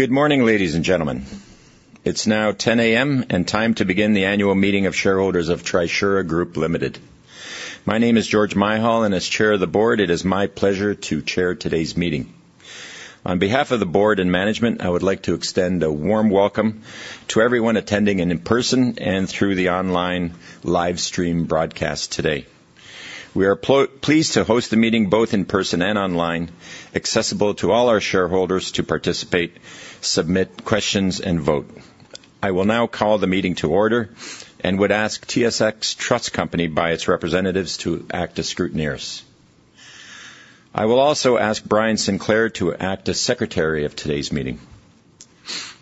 Good morning, ladies and gentlemen. It's now 10:00 A.M. and time to begin the Annual Meeting of Shareholders of Trisura Group Limited. My name is George Myhal, and as chair of the board, it is my pleasure to chair today's meeting. On behalf of the board and management, I would like to extend a warm welcome to everyone attending in person and through the online live stream broadcast today. We are pleased to host the meeting, both in person and online, accessible to all our shareholders to participate, submit questions, and vote. I will now call the meeting to order and would ask TSX Trust Company by its representatives to act as scrutineers. I will also ask Brian Sinclair to act as secretary of today's meeting.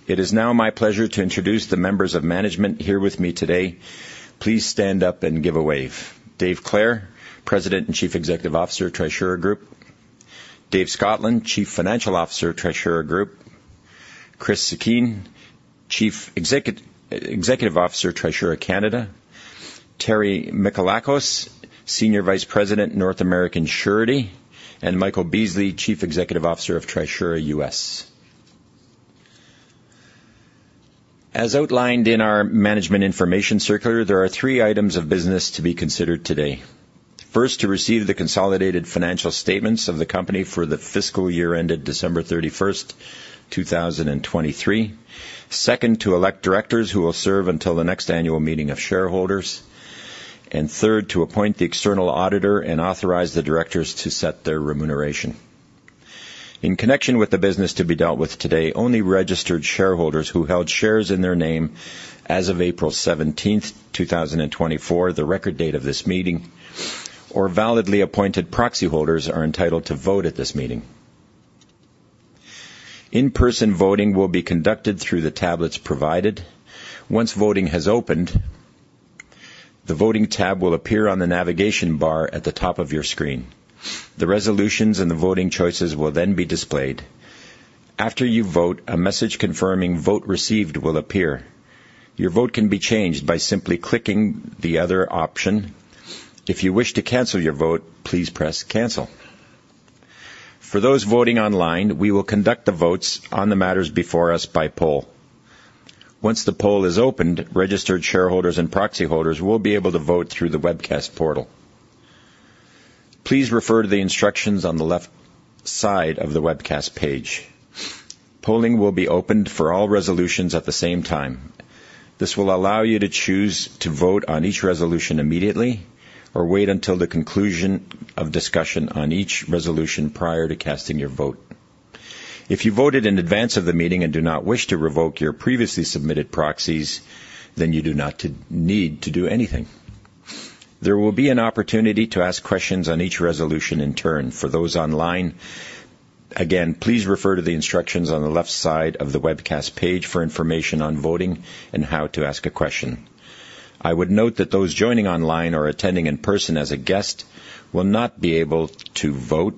It is now my pleasure to introduce the members of management here with me today. Please stand up and give a wave. David Clare, President and Chief Executive Officer of Trisura Group; David Scotland, Chief Financial Officer of Trisura Group; Chris Sekine, Chief Executive Officer, Trisura Canada; Terry Michalakos, Senior Vice President, North American Surety; and Michael Beasley, Chief Executive Officer of Trisura U.S. As outlined in our Management Information Circular, there are three items of business to be considered today. First, to receive the consolidated financial statements of the company for the fiscal year ended December 31, 2023. Second, to elect directors who will serve until the next annual meeting of shareholders. And third, to appoint the external auditor and authorize the directors to set their remuneration. In connection with the business to be dealt with today, only registered shareholders who held shares in their name as of April 17, 2024, the record date of this meeting, or validly appointed proxy holders, are entitled to vote at this meeting. In-person voting will be conducted through the tablets provided. Once voting has opened, the voting tab will appear on the navigation bar at the top of your screen. The resolutions and the voting choices will then be displayed. After you vote, a message confirming vote received will appear. Your vote can be changed by simply clicking the other option. If you wish to cancel your vote, please press Cancel. For those voting online, we will conduct the votes on the matters before us by poll. Once the poll is opened, registered shareholders and proxy holders will be able to vote through the webcast portal. Please refer to the instructions on the left side of the webcast page. Polling will be opened for all resolutions at the same time. This will allow you to choose to vote on each resolution immediately or wait until the conclusion of discussion on each resolution prior to casting your vote. If you voted in advance of the meeting and do not wish to revoke your previously submitted proxies, then you do not need to do anything. There will be an opportunity to ask questions on each resolution in turn. For those online, again, please refer to the instructions on the left side of the webcast page for information on voting and how to ask a question. I would note that those joining online or attending in person as a guest will not be able to vote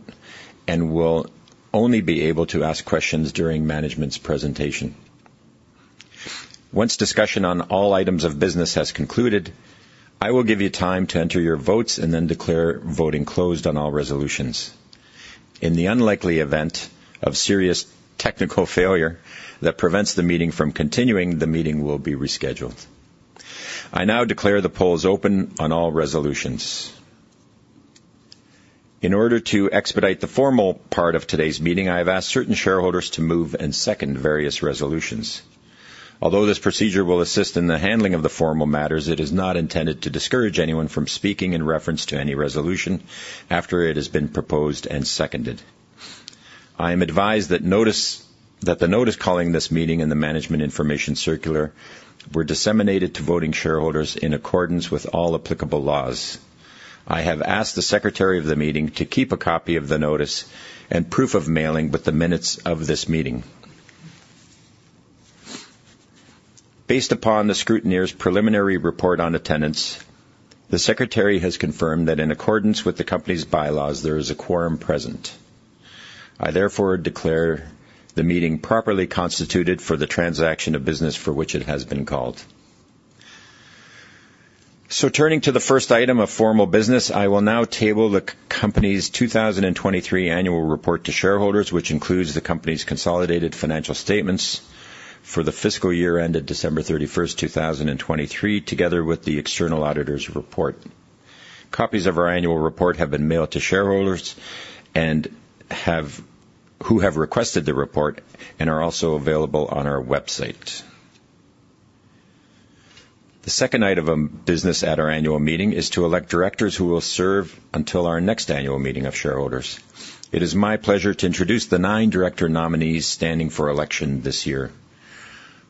and will only be able to ask questions during management's presentation. Once discussion on all items of business has concluded, I will give you time to enter your votes and then declare voting closed on all resolutions. In the unlikely event of serious technical failure that prevents the meeting from continuing, the meeting will be rescheduled. I now declare the polls open on all resolutions. In order to expedite the formal part of today's meeting, I have asked certain shareholders to move and second various resolutions. Although this procedure will assist in the handling of the formal matters, it is not intended to discourage anyone from speaking in reference to any resolution after it has been proposed and seconded. I am advised that the notice calling this meeting and the management information circular were disseminated to voting shareholders in accordance with all applicable laws. I have asked the secretary of the meeting to keep a copy of the notice and proof of mailing with the minutes of this meeting. Based upon the scrutineer's preliminary report on attendance, the secretary has confirmed that in accordance with the company's bylaws, there is a quorum present. I therefore declare the meeting properly constituted for the transaction of business for which it has been called. So turning to the first item of formal business, I will now table the company's 2023 Annual Report to shareholders, which includes the company's consolidated financial statements for the fiscal year ended December 31, 2023, together with the external auditor's report. Copies of our Annual Report have been mailed to shareholders who have requested the report and are also available on our website. The second item of business at our annual meeting is to elect directors who will serve until our next annual meeting of shareholders. It is my pleasure to introduce the nine director nominees standing for election this year: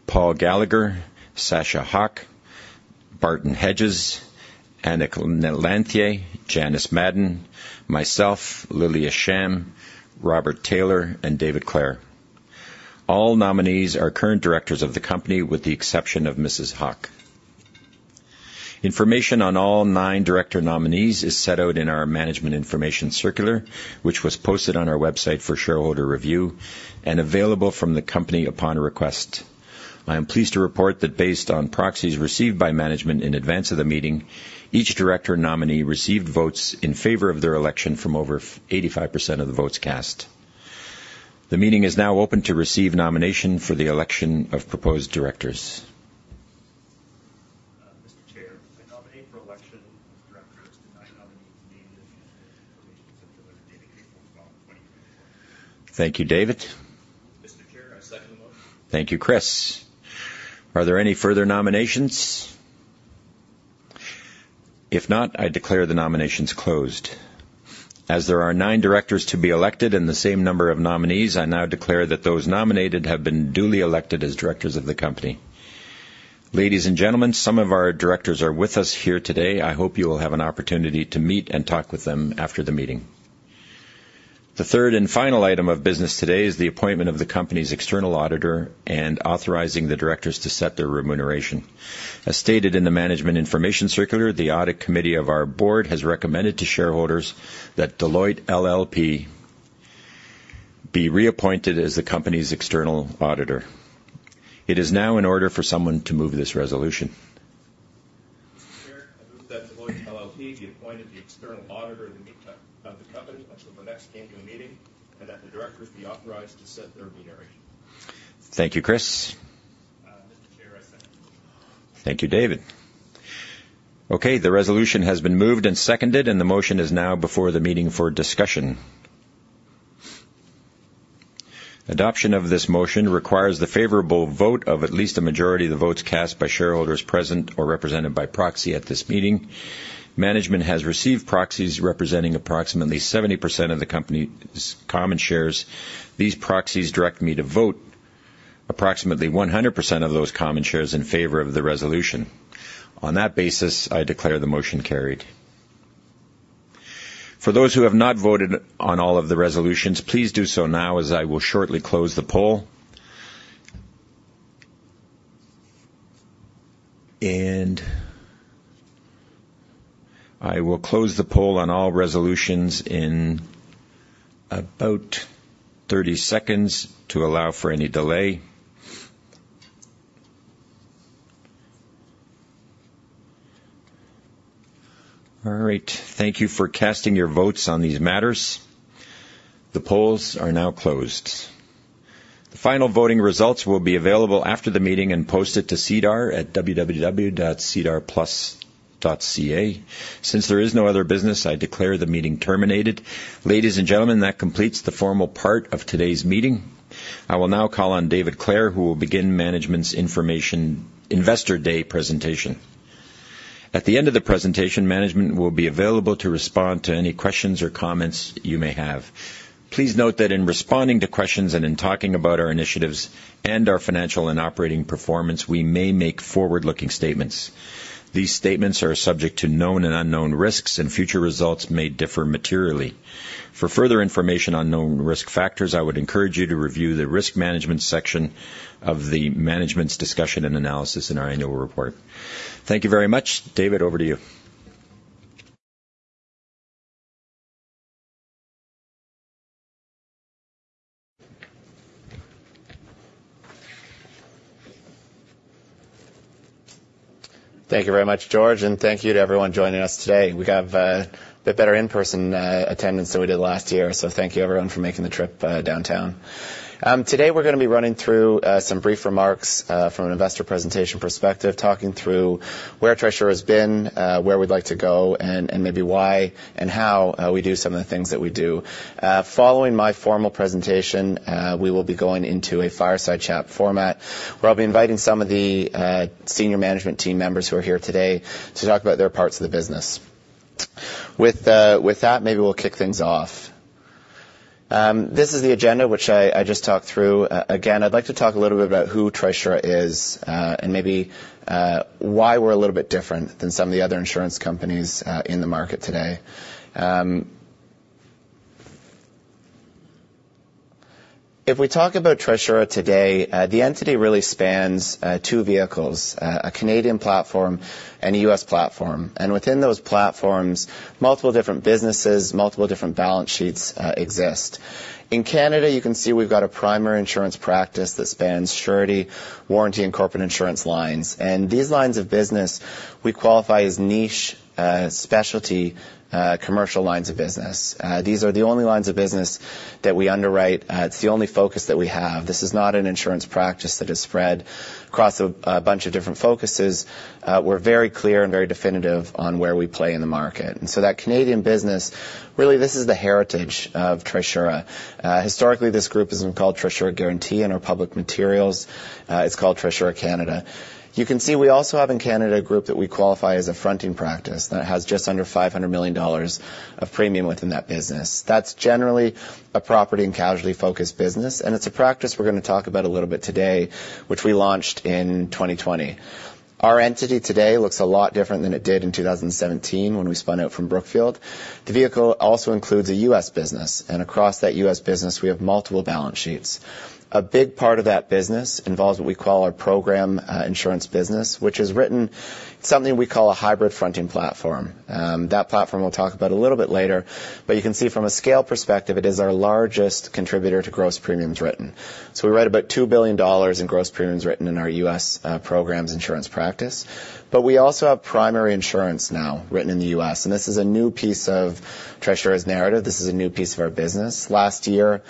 Paul Gallagher, Sacha Haque, Barton Hedges, Anik Lanthier, Janice Madon, myself, Lilia Sham, Robert Taylor, and David Clare. All nominees are current directors of the company, with the exception of Mrs. Haque. Information on all nine director nominees is set out in our management information circular, which was posted on our website for shareholder review and available from the company upon request. I am pleased to report that based on proxies received by management in advance of the meeting, each director nominee received votes in favor of their election from over 85% of the votes cast. The meeting is now open to receive nomination for the election of proposed directors.... I nominate for election of directors, and I nominate the names and information sent to the meeting April from 2024. Thank you, David. Mr. Chair, I second the motion. Thank you, Chris. Are there any further nominations? If not, I declare the nominations closed. As there are nine directors to be elected and the same number of nominees, I now declare that those nominated have been duly elected as directors of the company. Ladies and gentlemen, some of our directors are with us here today. I hope you will have an opportunity to meet and talk with them after the meeting. The third and final item of business today is the appointment of the company's external auditor and authorizing the directors to set their remuneration. As stated in the Management Information Circular, the Audit Committee of our board has recommended to shareholders that Deloitte LLP be reappointed as the company's external auditor. It is now in order for someone to move this resolution. Mr. Chair, I move that Deloitte LLP be appointed the external auditor of the Company until the next annual meeting, and that the directors be authorized to set their remuneration. Thank you, Chris. Mr. Chair, I second the motion. Thank you, David. Okay, the resolution has been moved and seconded, and the motion is now before the meeting for discussion. Adoption of this motion requires the favorable vote of at least a majority of the votes cast by shareholders present or represented by proxy at this meeting. Management has received proxies representing approximately 70% of the company's common shares. These proxies direct me to vote approximately 100% of those common shares in favor of the resolution. On that basis, I declare the motion carried. For those who have not voted on all of the resolutions, please do so now, as I will shortly close the poll. I will close the poll on all resolutions in about 30 seconds to allow for any delay. All right, thank you for casting your votes on these matters. The polls are now closed. The final voting results will be available after the meeting and posted to SEDAR at www.sedarplus.ca. Since there is no other business, I declare the meeting terminated. Ladies and gentlemen, that completes the formal part of today's meeting. I will now call on David Clare, who will begin management's Investor Day presentation. At the end of the presentation, management will be available to respond to any questions or comments you may have. Please note that in responding to questions and in talking about our initiatives and our financial and operating performance, we may make forward-looking statements. These statements are subject to known and unknown risks, and future results may differ materially. For further information on known risk factors, I would encourage you to review the Risk Management section of the Management's Discussion and Analysis in our annual report. Thank you very much. David, over to you. Thank you very much, George, and thank you to everyone joining us today. We have a bit better in-person attendance than we did last year, so thank you, everyone, for making the trip downtown. Today, we're gonna be running through some brief remarks from an investor presentation perspective, talking through where Trisura has been, where we'd like to go, and maybe why and how we do some of the things that we do. Following my formal presentation, we will be going into a fireside chat format, where I'll be inviting some of the senior management team members who are here today to talk about their parts of the business. With that, maybe we'll kick things off. This is the agenda which I just talked through. Again, I'd like to talk a little bit about who Trisura is, and maybe, why we're a little bit different than some of the other insurance companies, in the market today. If we talk about Trisura today, the entity really spans two vehicles: a Canadian platform and a U.S. platform. And within those platforms, multiple different businesses, multiple different balance sheets, exist. In Canada, you can see we've got a primary insurance practice that spans surety, warranty, and corporate insurance lines. And these lines of business, we qualify as niche, specialty, commercial lines of business. These are the only lines of business that we underwrite. It's the only focus that we have. This is not an insurance practice that is spread across a bunch of different focuses. We're very clear and very definitive on where we play in the market. That Canadian business, really, this is the heritage of Trisura. Historically, this group has been called Trisura Guarantee. In our public materials, it's called Trisura Canada. You can see we also have in Canada, a group that we qualify as a fronting practice, that has just under 500 million dollars of premium within that business. That's generally a property and casualty-focused business, and it's a practice we're gonna talk about a little bit today, which we launched in 2020. Our entity today looks a lot different than it did in 2017 when we spun out from Brookfield. The vehicle also includes a U.S. business, and across that U.S. business, we have multiple balance sheets. A big part of that business involves what we call our program insurance business, which is written something we call a hybrid fronting platform. That platform, we'll talk about a little bit later, but you can see from a scale perspective, it is our largest contributor to gross premiums written. So we write about $2 billion in gross premiums written in our U.S. programs insurance practice, but we also have primary insurance now written in the U.S., and this is a new piece of Trisura's narrative. This is a new piece of our business. Last year,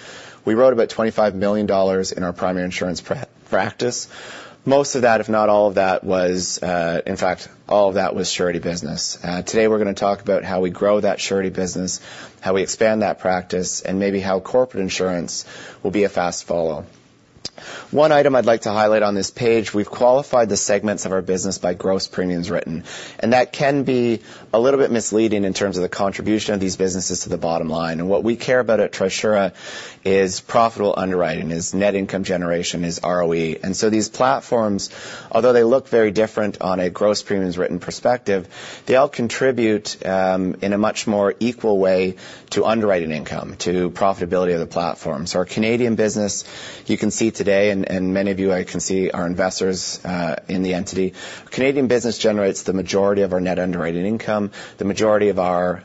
we wrote about $25 million in our primary insurance practice. Most of that, if not all of that, was. In fact, all of that was surety business. Today, we're gonna talk about how we grow that surety business, how we expand that practice, and maybe how corporate insurance will be a fast follow. One item I'd like to highlight on this page, we've qualified the segments of our business by gross premiums written, and that can be a little bit misleading in terms of the contribution of these businesses to the bottom line. And what we care about at Trisura is profitable underwriting, is net income generation, is ROE. And so these platforms, although they look very different on a gross premiums written perspective, they all contribute in a much more equal way to underwriting income, to profitability of the platform. So our Canadian business, you can see today, and many of you I can see are investors in the entity. Canadian business generates the majority of our net underwriting income, the majority of our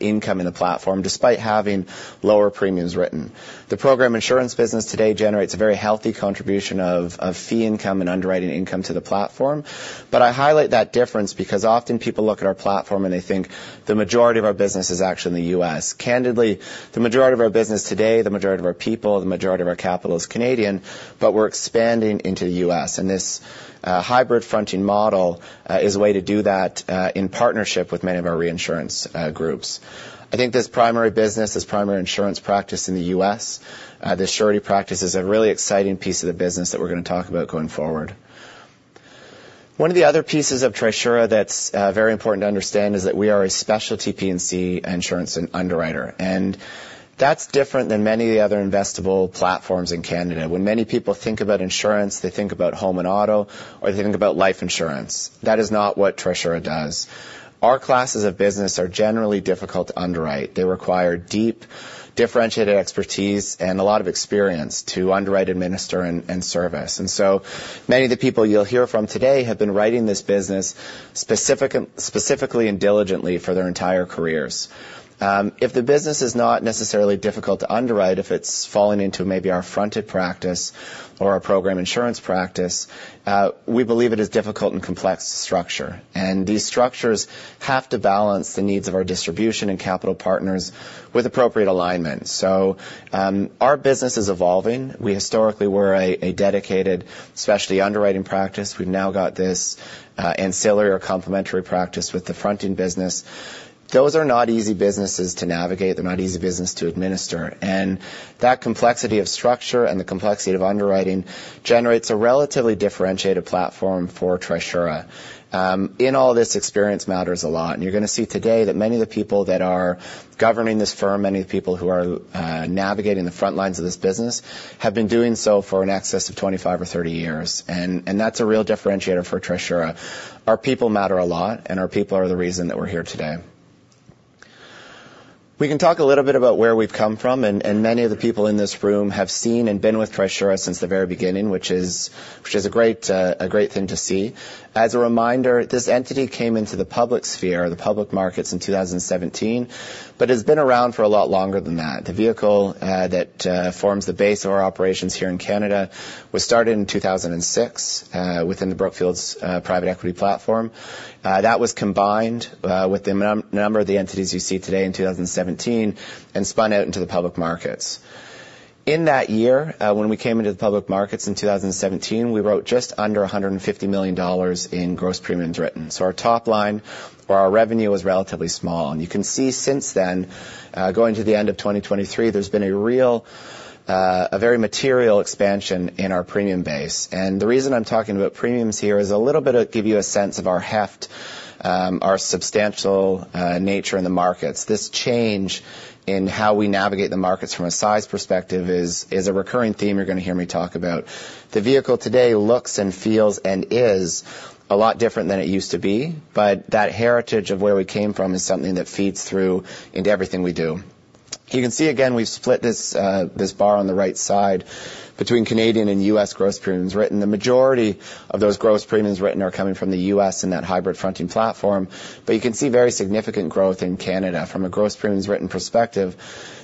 income in the platform, despite having lower premiums written. The program insurance business today generates a very healthy contribution of fee income and underwriting income to the platform. But I highlight that difference because often people look at our platform and they think the majority of our business is actually in the U.S. Candidly, the majority of our business today, the majority of our people, the majority of our capital is Canadian, but we're expanding into the U.S., and this hybrid fronting model is a way to do that in partnership with many of our reinsurance groups. I think this primary business, this primary insurance practice in the U.S., the surety practice is a really exciting piece of the business that we're gonna talk about going forward. One of the other pieces of Trisura that's very important to understand is that we are a specialty P&C insurance and underwriter, and that's different than many of the other investable platforms in Canada. When many people think about insurance, they think about home and auto, or they think about life insurance. That is not what Trisura does. Our classes of business are generally difficult to underwrite. They require deep, differentiated expertise and a lot of experience to underwrite, administer, and service. And so many of the people you'll hear from today have been writing this business specifically and diligently for their entire careers. If the business is not necessarily difficult to underwrite, if it's falling into maybe our fronting practice or our program insurance practice, we believe it is difficult and complex structure. These structures have to balance the needs of our distribution and capital partners with appropriate alignment. Our business is evolving. We historically were a dedicated, specialty underwriting practice. We've now got this ancillary or complementary practice with the fronting business. Those are not easy businesses to navigate. They're not easy business to administer. And that complexity of structure and the complexity of underwriting generates a relatively differentiated platform for Trisura. In all this, experience matters a lot, and you're gonna see today that many of the people that are governing this firm, many of the people who are navigating the front lines of this business, have been doing so for an excess of 25 or 30 years. And that's a real differentiator for Trisura. Our people matter a lot, and our people are the reason that we're here today. We can talk a little bit about where we've come from, and many of the people in this room have seen and been with Trisura since the very beginning, which is a great thing to see. As a reminder, this entity came into the public sphere or the public markets in 2017, but has been around for a lot longer than that. The vehicle that forms the base of our operations here in Canada was started in 2006 within the Brookfield private equity platform. That was combined with a number of the entities you see today in 2017, and spun out into the public markets. In that year, when we came into the public markets in 2017, we wrote just under 150 million dollars in gross premiums written. So our top line or our revenue was relatively small. And you can see since then, going to the end of 2023, there's been a real, a very material expansion in our premium base. And the reason I'm talking about premiums here is a little bit to give you a sense of our heft, our substantial nature in the markets. This change in how we navigate the markets from a size perspective is a recurring theme you're gonna hear me talk about. The vehicle today looks and feels and is a lot different than it used to be, but that heritage of where we came from is something that feeds through into everything we do. You can see again, we've split this bar on the right side between Canadian and U.S. gross premiums written. The majority of those gross premiums written are coming from the U.S. in that hybrid fronting platform, but you can see very significant growth in Canada. From a gross premiums written perspective,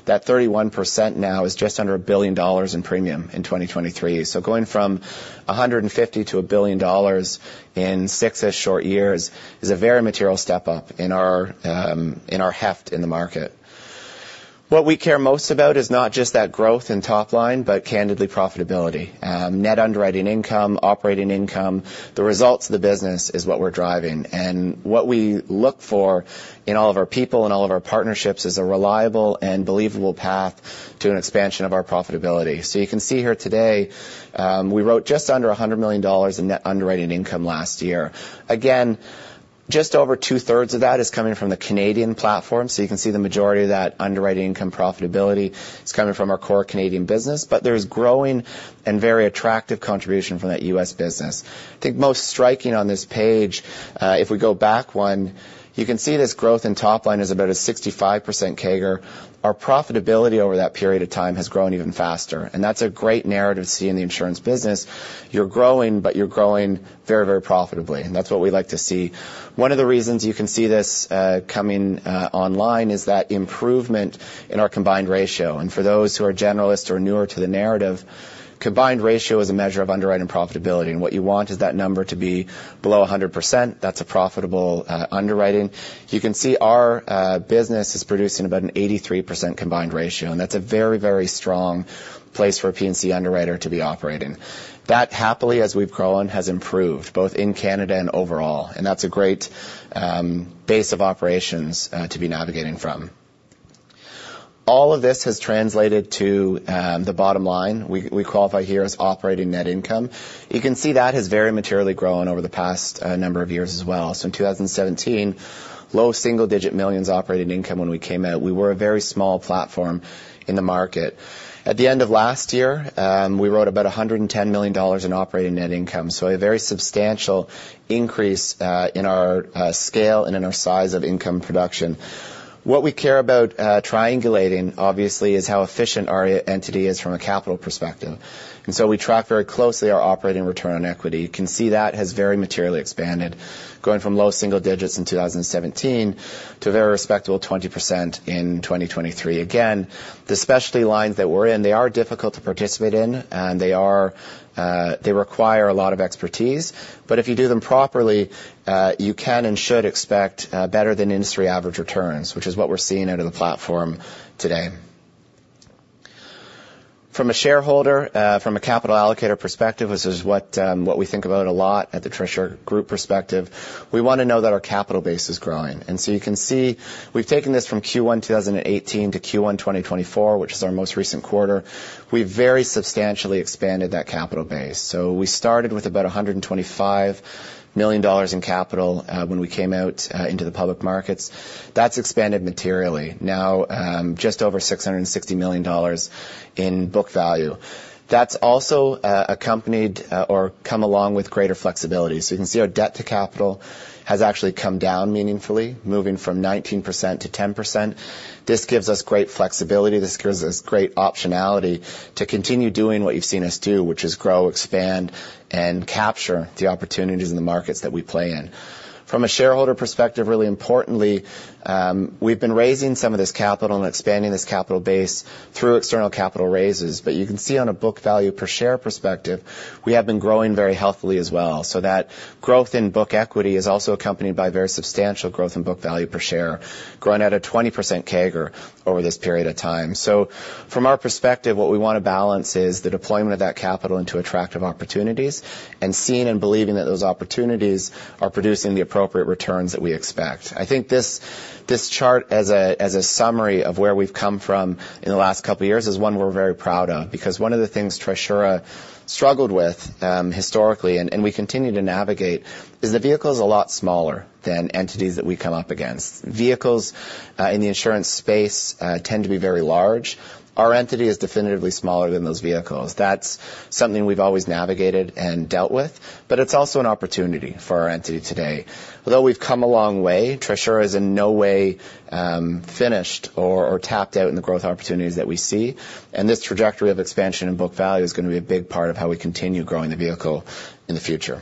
that 31% now is just under 1 billion dollars in premium in 2023. So going from 150 to 1 billion dollars in six short years is a very material step up in our in our heft in the market. What we care most about is not just that growth in top line, but candidly, profitability. Net underwriting income, operating income, the results of the business is what we're driving. And what we look for in all of our people and all of our partnerships is a reliable and believable path to an expansion of our profitability. So you can see here today, we wrote just under 100 million dollars in net underwriting income last year. Again, just over two-thirds of that is coming from the Canadian platform, so you can see the majority of that underwriting income profitability is coming from our core Canadian business, but there's growing and very attractive contribution from that U.S. business. I think most striking on this page, if we go back one, you can see this growth in top line is about a 65% CAGR. Our profitability over that period of time has grown even faster, and that's a great narrative to see in the insurance business. You're growing, but you're growing very, very profitably, and that's what we like to see. One of the reasons you can see this coming online is that improvement in our combined ratio. For those who are generalists or newer to the narrative, combined ratio is a measure of underwriting profitability, and what you want is that number to be below 100%. That's a profitable underwriting. You can see our business is producing about an 83% combined ratio, and that's a very, very strong place for a P&C underwriter to be operating. That, happily, as we've grown, has improved, both in Canada and overall, and that's a great base of operations to be navigating from. All of this has translated to the bottom line. We qualify here as operating net income. You can see that has very materially grown over the past number of years as well. In 2017, low single-digit millions operating income when we came out. We were a very small platform in the market. At the end of last year, we wrote about 110 million dollars in operating net income, so a very substantial increase in our scale and in our size of income production. What we care about triangulating, obviously, is how efficient our entity is from a capital perspective. So we track very closely our operating return on equity. You can see that has very materially expanded, going from low single digits in 2017 to a very respectable 20% in 2023. Again, the specialty lines that we're in, they are difficult to participate in, and they are, they require a lot of expertise. But if you do them properly, you can and should expect, better-than-industry average returns, which is what we're seeing out of the platform today. From a shareholder, from a capital allocator perspective, this is what, what we think about a lot at the Trisura Group perspective. We want to know that our capital base is growing. And so you can see, we've taken this from Q1 2018 to Q1 2024, which is our most recent quarter. We've very substantially expanded that capital base. So we started with about 125 million dollars in capital, when we came out into the public markets. That's expanded materially. Now, just over 660 million dollars in book value. That's also accompanied or come along with greater flexibility. So you can see our debt to capital has actually come down meaningfully, moving from 19% to 10%. This gives us great flexibility. This gives us great optionality to continue doing what you've seen us do, which is grow, expand, and capture the opportunities in the markets that we play in. From a shareholder perspective, really importantly, we've been raising some of this capital and expanding this capital base through external capital raises. But you can see on a book value per share perspective, we have been growing very healthily as well. So that growth in book equity is also accompanied by very substantial growth in book value per share, growing at a 20% CAGR over this period of time. So from our perspective, what we want to balance is the deployment of that capital into attractive opportunities and seeing and believing that those opportunities are producing the appropriate returns that we expect. I think this chart, as a summary of where we've come from in the last couple of years, is one we're very proud of, because one of the things Trisura struggled with, historically, and we continue to navigate, is the vehicle is a lot smaller than entities that we come up against. Vehicles in the insurance space tend to be very large. Our entity is definitively smaller than those vehicles. That's something we've always navigated and dealt with, but it's also an opportunity for our entity today. Although we've come a long way, Trisura is in no way, finished or tapped out in the growth opportunities that we see, and this trajectory of expansion in book value is going to be a big part of how we continue growing the vehicle in the future.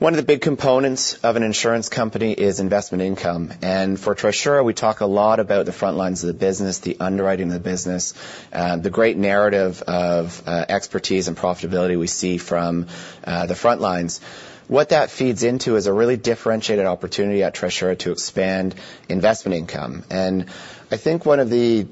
One of the big components of an insurance company is investment income, and for Trisura, we talk a lot about the front lines of the business, the underwriting of the business, the great narrative of expertise and profitability we see from the front lines. What that feeds into is a really differentiated opportunity at Trisura to expand investment income. I think one of the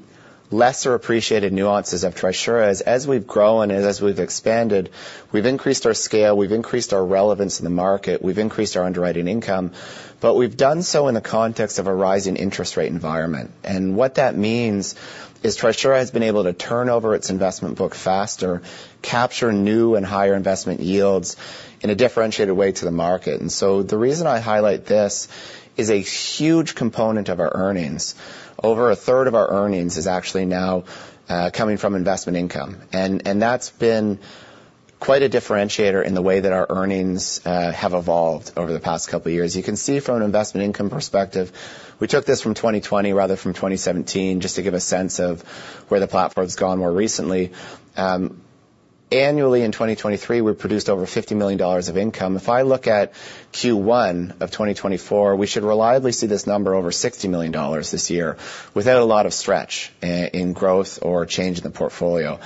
lesser-appreciated nuances of Trisura is, as we've grown and as we've expanded, we've increased our scale, we've increased our relevance in the market, we've increased our underwriting income, but we've done so in the context of a rising interest rate environment. And what that means is Trisura has been able to turn over its investment book faster, capture new and higher investment yields in a differentiated way to the market. And so the reason I highlight this is a huge component of our earnings. Over a third of our earnings is actually now coming from investment income, and that's been quite a differentiator in the way that our earnings have evolved over the past couple of years. You can see from an investment income perspective, we took this from 2020, rather, from 2017, just to give a sense of where the platform's gone more recently. Annually in 2023, we produced over 50 million dollars of income. If I look at Q1 of 2024, we should reliably see this number over 60 million dollars this year without a lot of stretch in growth or change in the portfolio.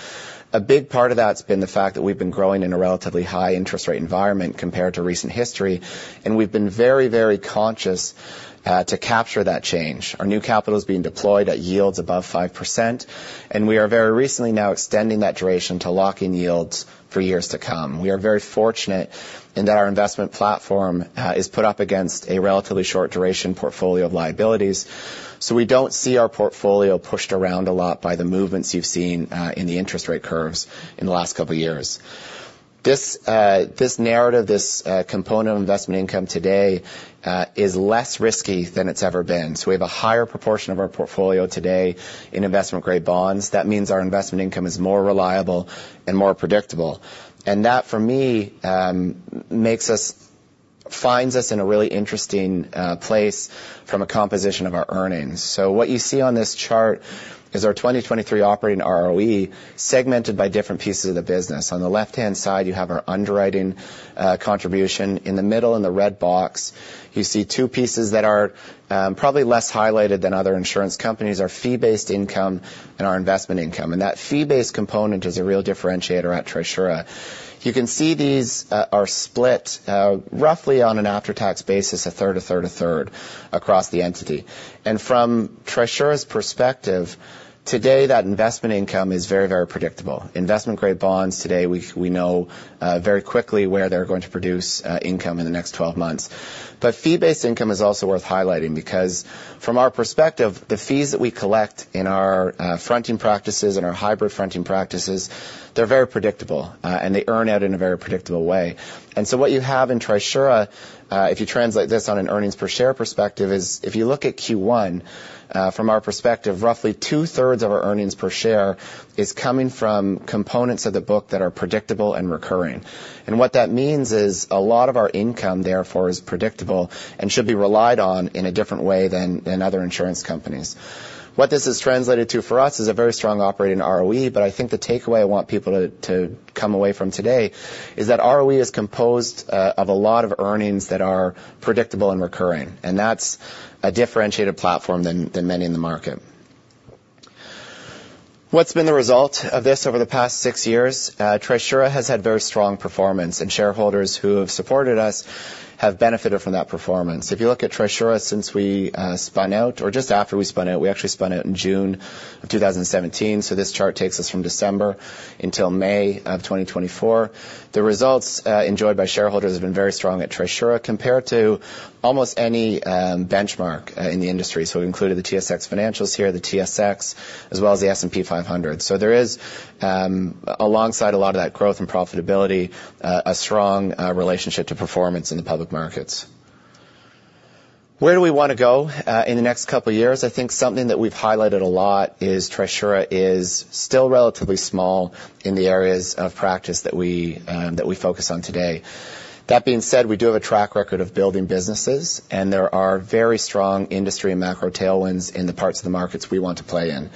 A big part of that's been the fact that we've been growing in a relatively high interest rate environment compared to recent history, and we've been very, very conscious to capture that change. Our new capital is being deployed at yields above 5%, and we are very recently now extending that duration to lock in yields for years to come. We are very fortunate in that our investment platform is put up against a relatively short duration portfolio of liabilities, so we don't see our portfolio pushed around a lot by the movements you've seen in the interest rate curves in the last couple of years. This narrative, this component of investment income today is less risky than it's ever been. So we have a higher proportion of our portfolio today in investment-grade bonds. That means our investment income is more reliable and more predictable. And that, for me, finds us in a really interesting place from a composition of our earnings. So what you see on this chart is our 2023 operating ROE segmented by different pieces of the business. On the left-hand side, you have our underwriting contribution. In the middle, in the red box, you see two pieces that are probably less highlighted than other insurance companies, our fee-based income and our investment income. That fee-based component is a real differentiator at Trisura. You can see these are split roughly on an after-tax basis, a third, a third, a third, across the entity. From Trisura's perspective, today, that investment income is very, very predictable. Investment-grade bonds today, we know very quickly where they're going to produce income in the next 12 months. But fee-based income is also worth highlighting because from our perspective, the fees that we collect in our fronting practices and our hybrid fronting practices, they're very predictable, and they earn out in a very predictable way. So what you have in Trisura, if you translate this on an earnings per share perspective, is if you look at Q1, from our perspective, roughly 2/3 of our earnings per share is coming from components of the book that are predictable and recurring. And what that means is a lot of our income, therefore, is predictable and should be relied on in a different way than other insurance companies. What this has translated to for us is a very strong operating ROE, but I think the takeaway I want people to come away from today is that ROE is composed of a lot of earnings that are predictable and recurring, and that's a differentiated platform than many in the market. What's been the result of this over the past six years? Trisura has had very strong performance, and shareholders who have supported us have benefited from that performance. If you look at Trisura since we spun out, or just after we spun out, we actually spun out in June of 2017, so this chart takes us from December until May of 2024. The results enjoyed by shareholders have been very strong at Trisura, compared to almost any benchmark in the industry. So we included the TSX financials here, the TSX, as well as the S&P 500. So there is alongside a lot of that growth and profitability a strong relationship to performance in the public markets. Where do we wanna go in the next couple of years? I think something that we've highlighted a lot is Trisura is still relatively small in the areas of practice that we, that we focus on today. That being said, we do have a track record of building businesses, and there are very strong industry and macro tailwinds in the parts of the markets we want to play in.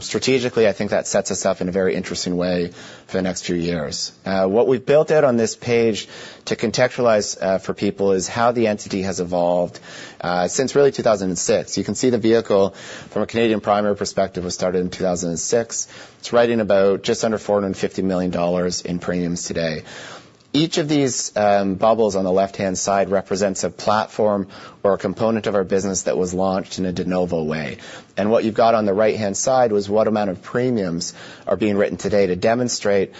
Strategically, I think that sets us up in a very interesting way for the next few years. What we've built out on this page to contextualize, for people is how the entity has evolved, since really 2006. You can see the vehicle from a Canadian primary perspective was started in 2006. It's writing about just under 450 million dollars in premiums today. Each of these bubbles on the left-hand side represents a platform or a component of our business that was launched in a de novo way. And what you've got on the right-hand side was what amount of premiums are being written today to demonstrate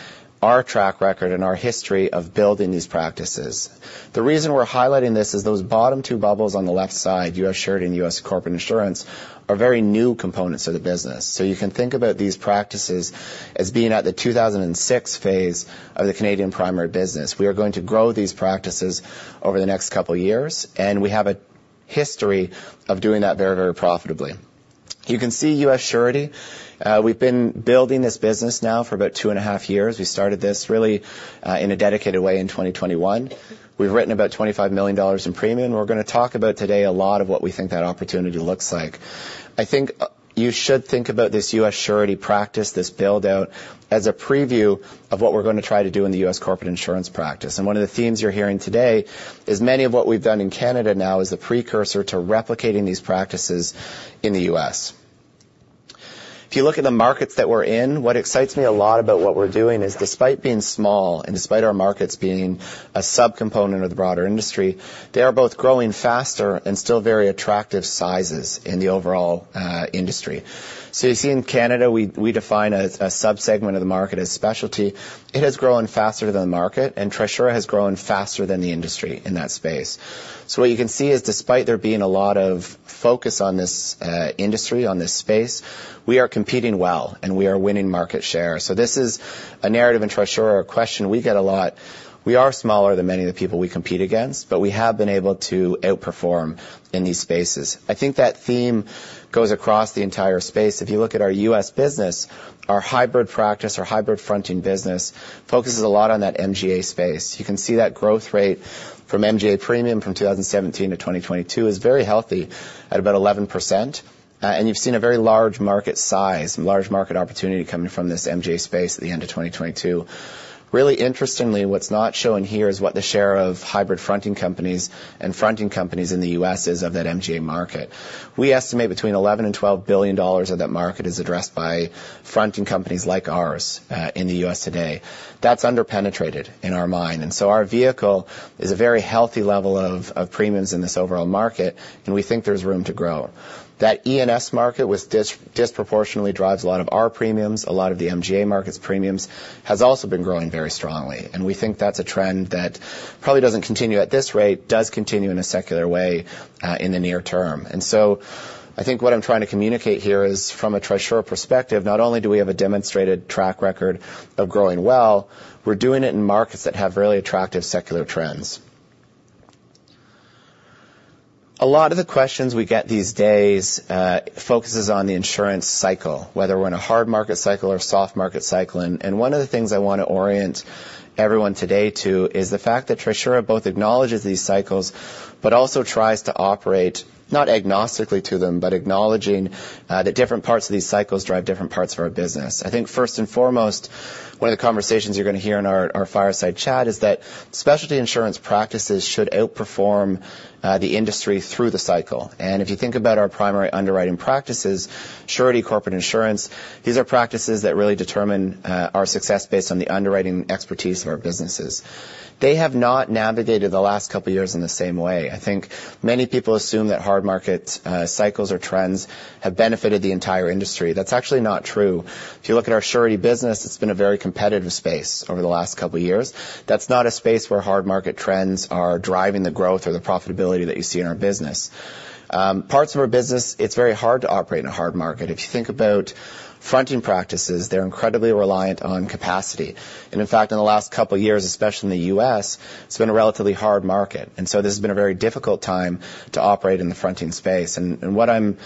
our track record and our history of building these practices. The reason we're highlighting this is those bottom 2 bubbles on the left side, U.S. Surety and U.S. Corporate Insurance, are very new components of the business. So you can think about these practices as being at the 2006 phase of the Canadian primary business. We are going to grow these practices over the next couple of years, and we have a history of doing that very, very profitably. You can see U.S. Surety. We've been building this business now for about 2.5 years. We started this really in a dedicated way in 2021. We've written about $25 million in premium. We're gonna talk about today a lot of what we think that opportunity looks like. I think you should think about this US Surety practice, this build-out, as a preview of what we're gonna try to do in the US Corporate Insurance practice. And one of the themes you're hearing today is many of what we've done in Canada now is a precursor to replicating these practices in the US. If you look at the markets that we're in, what excites me a lot about what we're doing is despite being small and despite our markets being a subcomponent of the broader industry, they are both growing faster and still very attractive sizes in the overall industry. So you see in Canada, we define a subsegment of the market as specialty. It has grown faster than the market, and Trisura has grown faster than the industry in that space. So what you can see is despite there being a lot of focus on this industry, on this space, we are competing well, and we are winning market share. So this is a narrative in Trisura, a question we get a lot. We are smaller than many of the people we compete against, but we have been able to outperform in these spaces. I think that theme goes across the entire space. If you look at our U.S. business, our hybrid practice or hybrid fronting business focuses a lot on that MGA space. You can see that growth rate from MGA premium from 2017 to 2022 is very healthy at about 11%, and you've seen a very large market size, large market opportunity coming from this MGA space at the end of 2022. Really interestingly, what's not shown here is what the share of hybrid fronting companies and fronting companies in the U.S. is of that MGA market. We estimate between $11 billion and $12 billion of that market is addressed by fronting companies like ours in the U.S. today. That's underpenetrated in our mind, and so our vehicle is a very healthy level of premiums in this overall market, and we think there's room to grow. That E&S market, which disproportionately drives a lot of our premiums, a lot of the MGA markets premiums, has also been growing very strongly. We think that's a trend that probably doesn't continue at this rate, does continue in a secular way, in the near term. So I think what I'm trying to communicate here is from a Trisura perspective, not only do we have a demonstrated track record of growing well, we're doing it in markets that have really attractive secular trends. A lot of the questions we get these days focuses on the insurance cycle, whether we're in a hard market cycle or a soft market cycle. And one of the things I want to orient everyone today to is the fact that Trisura both acknowledges these cycles, but also tries to operate, not agnostically to them, but acknowledging that different parts of these cycles drive different parts of our business. I think first and foremost, one of the conversations you're gonna hear in our fireside chat is that specialty insurance practices should outperform the industry through the cycle. If you think about our primary underwriting practices, Surety, Corporate Insurance, these are practices that really determine our success based on the underwriting expertise of our businesses. They have not navigated the last couple of years in the same way. I think many people assume that hard market cycles or trends have benefited the entire industry. That's actually not true. If you look at our surety business, it's been a very competitive space over the last couple of years. That's not a space where hard market trends are driving the growth or the profitability that you see in our business. Parts of our business, it's very hard to operate in a hard market. If you think about fronting practices, they're incredibly reliant on capacity. And in fact, in the last couple of years, especially in the U.S., it's been a relatively hard market, and so this has been a very difficult time to operate in the fronting space. And what I'm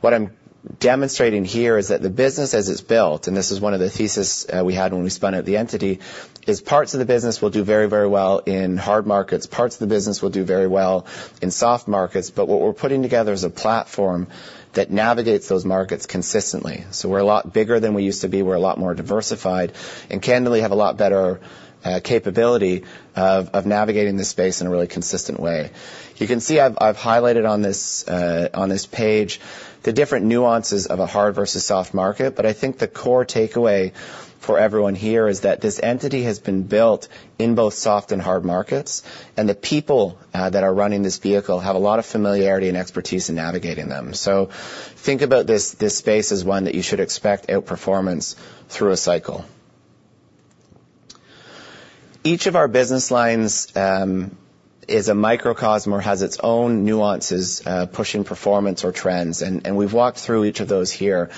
demonstrating here is that the business as it's built, and this is one of the thesis we had when we spun out the entity, is parts of the business will do very, very well in hard markets. Parts of the business will do very well in soft markets. But what we're putting together is a platform that navigates those markets consistently. So we're a lot bigger than we used to be. We're a lot more diversified and candidly, have a lot better capability of navigating this space in a really consistent way. You can see I've highlighted on this page the different nuances of a hard versus soft market. But I think the core takeaway for everyone here is that this entity has been built in both soft and hard markets, and the people that are running this vehicle have a lot of familiarity and expertise in navigating them. So think about this space as one that you should expect outperformance through a cycle. Each of our business lines is a microcosm or has its own nuances pushing performance or trends, and we've walked through each of those here.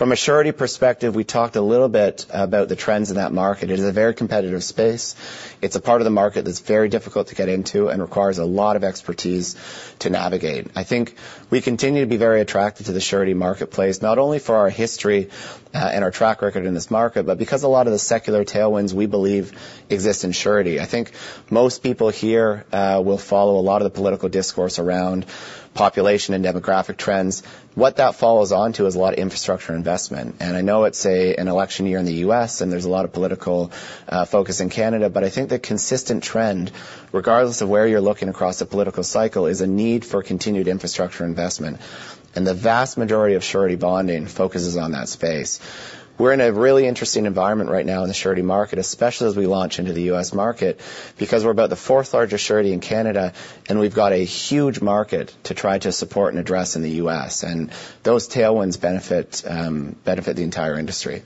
From a surety perspective, we talked a little bit about the trends in that market. It is a very competitive space. It's a part of the market that's very difficult to get into and requires a lot of expertise to navigate. I think we continue to be very attractive to the surety marketplace, not only for our history, and our track record in this market, but because a lot of the secular tailwinds we believe exist in surety. I think most people here, will follow a lot of the political discourse around population and demographic trends. What that follows on to is a lot of infrastructure investment. And I know it's a, an election year in the U.S., and there's a lot of political, focus in Canada, but I think the consistent trend, regardless of where you're looking across the political cycle, is a need for continued infrastructure investment. And the vast majority of surety bonding focuses on that space. We're in a really interesting environment right now in the surety market, especially as we launch into the US market, because we're about the fourth largest surety in Canada, and we've got a huge market to try to support and address in the US, and those tailwinds benefit the entire industry.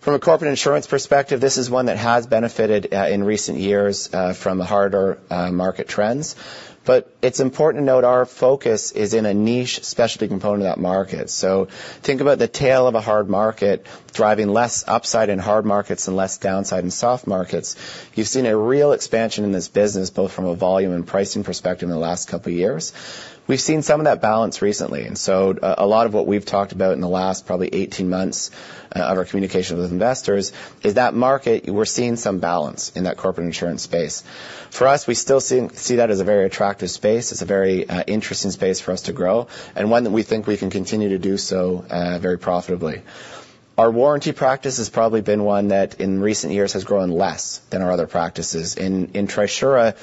From a corporate insurance perspective, this is one that has benefited in recent years from harder market trends. But it's important to note our focus is in a niche specialty component of that market. So think about the tail of a hard market, driving less upside in hard markets and less downside in soft markets. You've seen a real expansion in this business, both from a volume and pricing perspective in the last couple of years. We've seen some of that balance recently, and so a lot of what we've talked about in the last probably 18 months of our communication with investors is that market. We're seeing some balance in that corporate insurance space. For us, we still see that as a very attractive space. It's a very interesting space for us to grow and one that we think we can continue to do so very profitably. Our warranty practice has probably been one that, in recent years, has grown less than our other practices. In Trisura,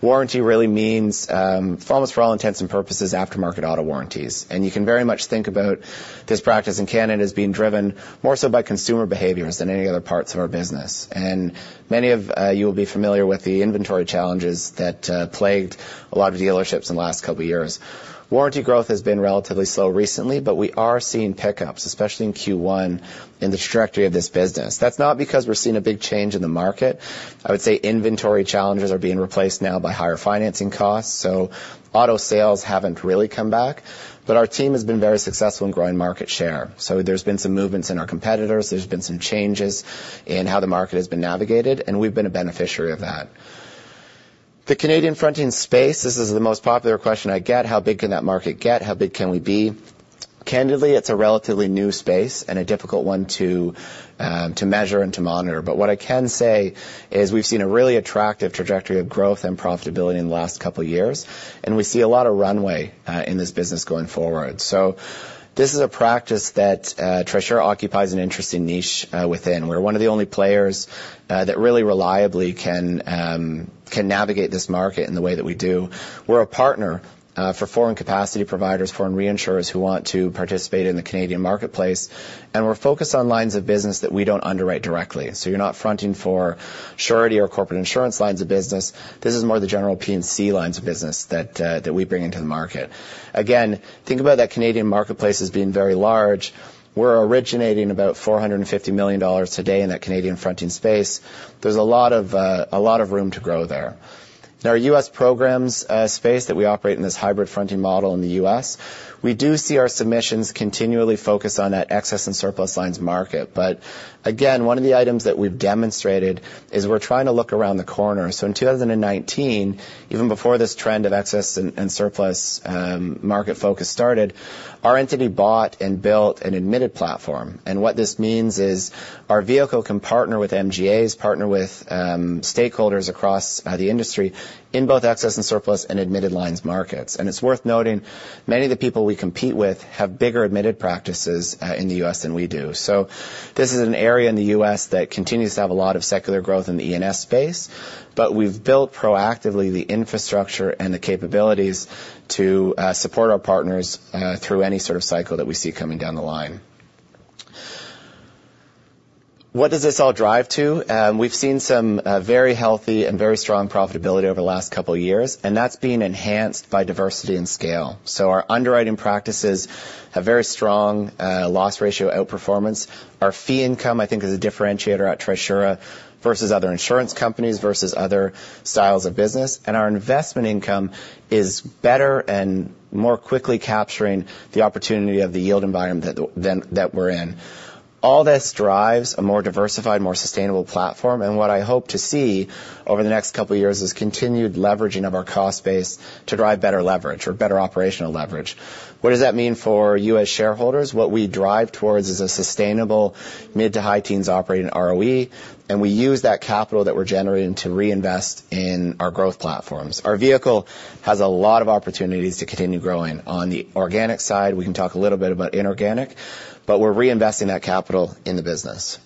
warranty really means, for almost all intents and purposes, aftermarket auto warranties. And you can very much think about this practice in Canada as being driven more so by consumer behaviors than any other parts of our business. And many of you will be familiar with the inventory challenges that plagued a lot of dealerships in the last couple of years. Warranty growth has been relatively slow recently, but we are seeing pickups, especially in Q1, in the trajectory of this business. That's not because we're seeing a big change in the market. I would say inventory challenges are being replaced now by higher financing costs, so auto sales haven't really come back. But our team has been very successful in growing market share. So there's been some movements in our competitors. There's been some changes in how the market has been navigated, and we've been a beneficiary of that. The Canadian fronting space, this is the most popular question I get: How big can that market get? How big can we be? Candidly, it's a relatively new space and a difficult one to measure and to monitor. But what I can say is we've seen a really attractive trajectory of growth and profitability in the last couple of years, and we see a lot of runway in this business going forward. So this is a practice that Trisura occupies an interesting niche within. We're one of the only players that really reliably can navigate this market in the way that we do. We're a partner for foreign capacity providers, foreign reinsurers who want to participate in the Canadian marketplace, and we're focused on lines of business that we don't underwrite directly. So you're not fronting for surety or corporate insurance lines of business. This is more the general P&C lines of business that we bring into the market. Again, think about that Canadian marketplace as being very large. We're originating about 450 million dollars today in that Canadian fronting space. There's a lot of, a lot of room to grow there. In our U.S. programs, space that we operate in this hybrid fronting model in the U.S., we do see our submissions continually focus on that excess and surplus lines market. But again, one of the items that we've demonstrated is we're trying to look around the corner. So in 2019, even before this trend of excess and surplus market focus started, our entity bought and built an admitted platform. And what this means is our vehicle can partner with MGAs, partner with stakeholders across the industry in both excess and surplus and admitted lines markets. It's worth noting, many of the people we compete with have bigger admitted practices in the U.S. than we do. So this is an area in the U.S. that continues to have a lot of secular growth in the E&S space, but we've built proactively the infrastructure and the capabilities to support our partners through any sort of cycle that we see coming down the line. What does this all drive to? We've seen some very healthy and very strong profitability over the last couple of years, and that's been enhanced by diversity and scale. So our underwriting practices have very strong loss ratio outperformance. Our fee income, I think, is a differentiator at Trisura versus other insurance companies, versus other styles of business. Our investment income is better and more quickly capturing the opportunity of the yield environment that we're in. All this drives a more diversified, more sustainable platform, and what I hope to see over the next couple of years is continued leveraging of our cost base to drive better leverage or better operational leverage. What does that mean for you as shareholders? What we drive towards is a sustainable mid to high teens operating ROE, and we use that capital that we're generating to reinvest in our growth platforms. Our vehicle has a lot of opportunities to continue growing. On the organic side, we can talk a little bit about inorganic, but we're reinvesting that capital in the business.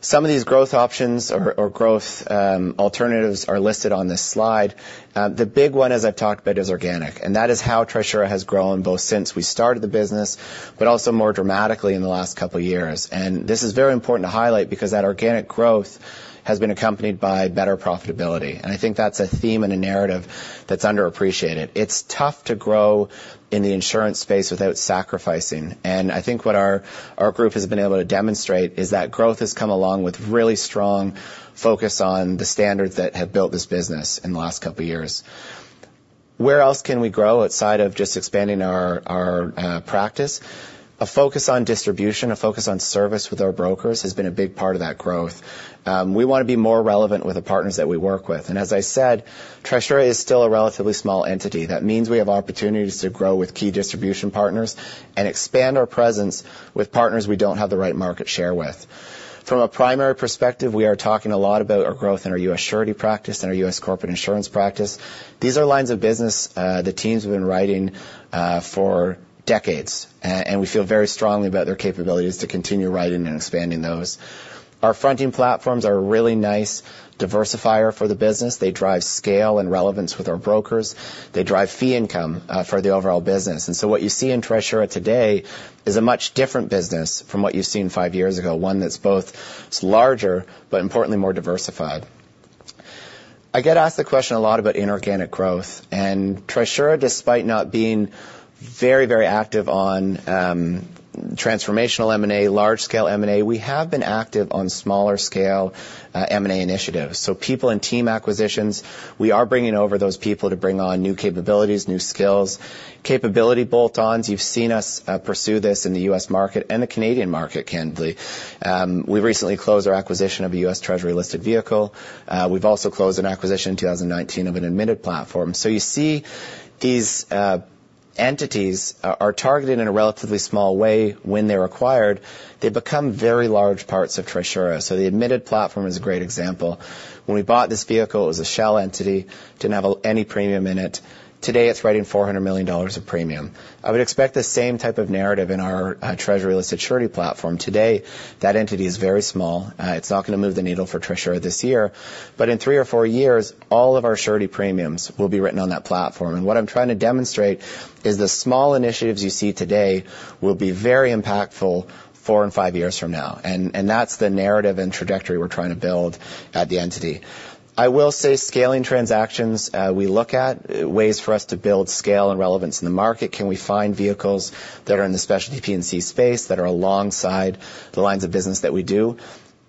Some of these growth options or growth alternatives are listed on this slide. The big one, as I've talked about, is organic, and that is how Trisura has grown, both since we started the business, but also more dramatically in the last couple of years. And this is very important to highlight because that organic growth has been accompanied by better profitability, and I think that's a theme and a narrative that's underappreciated. It's tough to grow in the insurance space without sacrificing, and I think what our group has been able to demonstrate is that growth has come along with really strong focus on the standards that have built this business in the last couple of years. Where else can we grow outside of just expanding our practice? A focus on distribution, a focus on service with our brokers has been a big part of that growth. We wanna be more relevant with the partners that we work with. As I said, Trisura is still a relatively small entity. That means we have opportunities to grow with key distribution partners and expand our presence with partners we don't have the right market share with. From a primary perspective, we are talking a lot about our growth in our U.S. surety practice and our U.S. corporate insurance practice. These are lines of business, the teams have been writing for decades, and we feel very strongly about their capabilities to continue writing and expanding those. Our fronting platforms are a really nice diversifier for the business. They drive scale and relevance with our brokers. They drive fee income for the overall business. What you see in Trisura today is a much different business from what you've seen five years ago, one that's both larger, but importantly, more diversified. I get asked the question a lot about inorganic growth, and Trisura, despite not being very, very active on, transformational M&A, large-scale M&A, we have been active on smaller scale, M&A initiatives. So people in team acquisitions, we are bringing over those people to bring on new capabilities, new skills. Capability bolt-ons, you've seen us, pursue this in the U.S. market and the Canadian market, candidly. We recently closed our acquisition of a U.S. Treasury-listed vehicle. We've also closed an acquisition in 2019 of an admitted platform. So you see these, entities are targeted in a relatively small way when they're acquired. They become very large parts of Trisura. So the admitted platform is a great example. When we bought this vehicle, it was a shell entity, didn't have any premium in it. Today, it's writing $400 million of premium. I would expect the same type of narrative in our treasury-listed surety platform. Today, that entity is very small. It's not gonna move the needle for Trisura this year, but in 3 or 4 years, all of our surety premiums will be written on that platform. And what I'm trying to demonstrate is the small initiatives you see today will be very impactful 4 and 5 years from now, and, and that's the narrative and trajectory we're trying to build at the entity. I will say scaling transactions, we look at ways for us to build scale and relevance in the market. Can we find vehicles that are in the specialty P&C space that are alongside the lines of business that we do?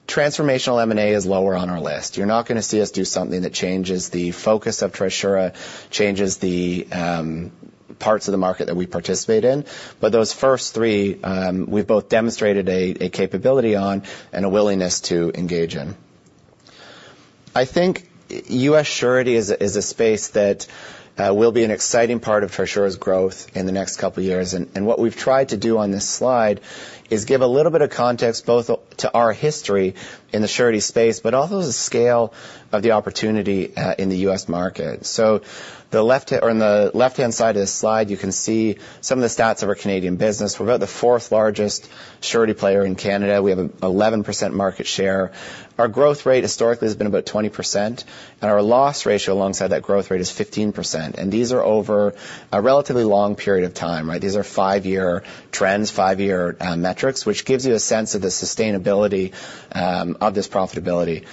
Transformational M&A is lower on our list. You're not gonna see us do something that changes the focus of Trisura, changes the parts of the market that we participate in, but those first three we've both demonstrated a capability on and a willingness to engage in. I think US surety is a space that will be an exciting part of Trisura's growth in the next couple of years. And what we've tried to do on this slide is give a little bit of context, both to our history in the surety space, but also the scale of the opportunity in the US market. So the left or on the left-hand side of this slide, you can see some of the stats of our Canadian business. We're about the fourth largest surety player in Canada. We have 11% market share. Our growth rate historically has been about 20%, and our loss ratio alongside that growth rate is 15%, and these are over a relatively long period of time, right? These are five-year trends, five-year metrics, which gives you a sense of the sustainability of this profitability.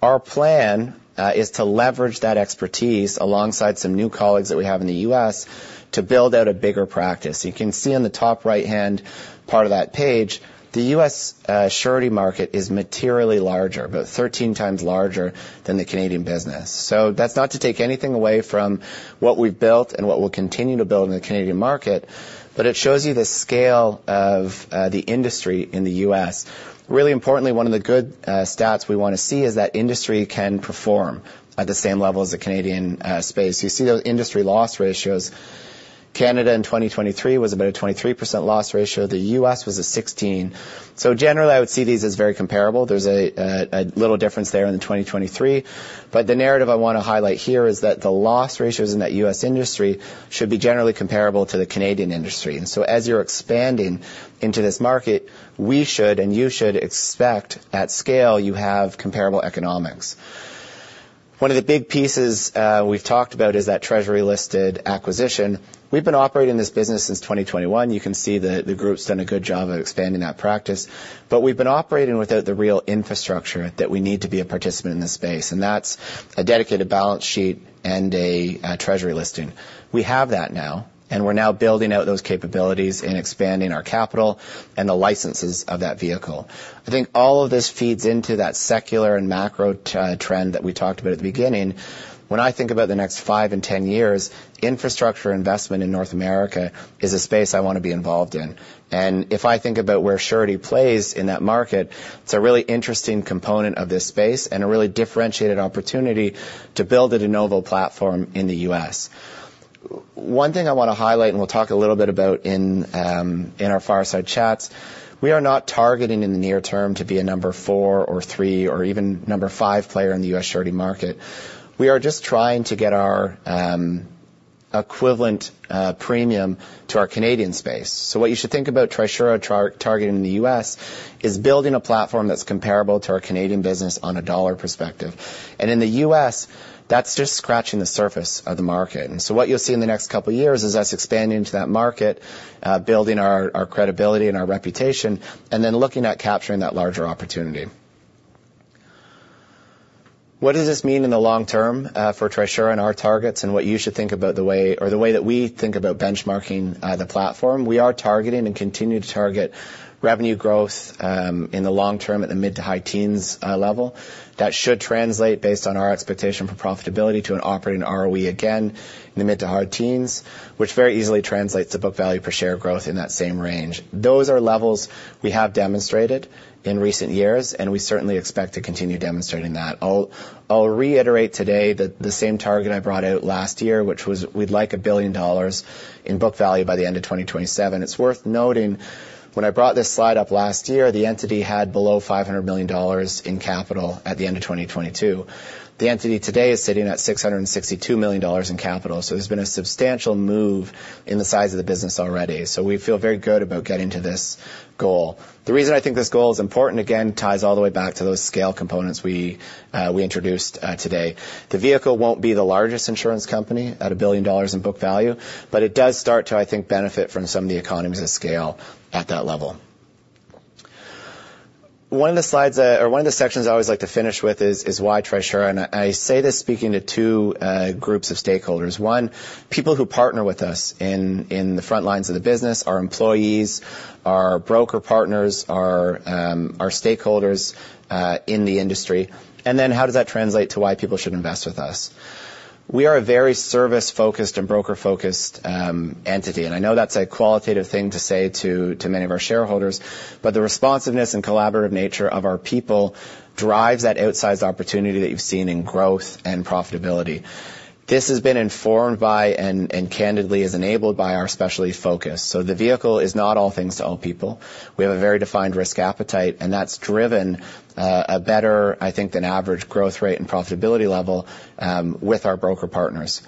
Our plan is to leverage that expertise alongside some new colleagues that we have in the U.S. to build out a bigger practice. You can see on the top right-hand part of that page, the U.S. surety market is materially larger, about 13 times larger than the Canadian business. So that's not to take anything away from what we've built and what we'll continue to build in the Canadian market, but it shows you the scale of the industry in the US. Really importantly, one of the good stats we want to see is that industry can perform at the same level as the Canadian space. You see those industry loss ratios. Canada in 2023 was about a 23% loss ratio. The US was a 16. So generally, I would see these as very comparable. There's a little difference there in the 2023, but the narrative I want to highlight here is that the loss ratios in that US industry should be generally comparable to the Canadian industry. And so as you're expanding into this market, we should, and you should expect at scale, you have comparable economics. One of the big pieces we've talked about is that Treasury-listed acquisition. We've been operating this business since 2021. You can see the, the group's done a good job of expanding that practice, but we've been operating without the real infrastructure that we need to be a participant in this space, and that's a dedicated balance sheet and a Treasury listing. We have that now, and we're now building out those capabilities and expanding our capital and the licenses of that vehicle. I think all of this feeds into that secular and macro trend that we talked about at the beginning. When I think about the next 5 and 10 years, infrastructure investment in North America is a space I want to be involved in. If I think about where Surety plays in that market, it's a really interesting component of this space and a really differentiated opportunity to build a de novo platform in the U.S. One thing I want to highlight, and we'll talk a little bit about in, in our fireside chats, we are not targeting in the near term to be a number four or three, or even number five player in the U.S. surety market. We are just trying to get our equivalent premium to our Canadian space. So what you should think about Trisura targeting in the U.S. is building a platform that's comparable to our Canadian business on a dollar perspective. And in the U.S., that's just scratching the surface of the market. What you'll see in the next couple of years is us expanding into that market, building our, our credibility and our reputation, and then looking at capturing that larger opportunity. What does this mean in the long term, for Trisura and our targets, and what you should think about the way... or the way that we think about benchmarking, the platform? We are targeting and continue to target revenue growth, in the long term at the mid to high teens level. That should translate based on our expectation for profitability to an operating ROE, again, in the mid to high teens, which very easily translates to book value per share growth in that same range. Those are levels we have demonstrated in recent years, and we certainly expect to continue demonstrating that. I'll reiterate today that the same target I brought out last year, which was we'd like 1 billion dollars in book value by the end of 2027. It's worth noting, when I brought this slide up last year, the entity had below 500 million dollars in capital at the end of 2022. The entity today is sitting at 662 million dollars in capital, so there's been a substantial move in the size of the business already. So we feel very good about getting to this goal. The reason I think this goal is important, again, ties all the way back to those scale components we introduced today. The vehicle won't be the largest insurance company at 1 billion dollars in book value, but it does start to, I think, benefit from some of the economies of scale at that level. One of the slides that, or one of the sections I always like to finish with is, is why Trisura, and I, I say this speaking to two groups of stakeholders. One, people who partner with us in, in the front lines of the business, our employees, our broker partners, our stakeholders in the industry, and then how does that translate to why people should invest with us? We are a very service-focused and broker-focused entity, and I know that's a qualitative thing to say to, to many of our shareholders, but the responsiveness and collaborative nature of our people drives that outsized opportunity that you've seen in growth and profitability. This has been informed by and, and candidly, is enabled by our specialty focus. So the vehicle is not all things to all people. We have a very defined risk appetite, and that's driven a better, I think, than average growth rate and profitability level with our broker partners.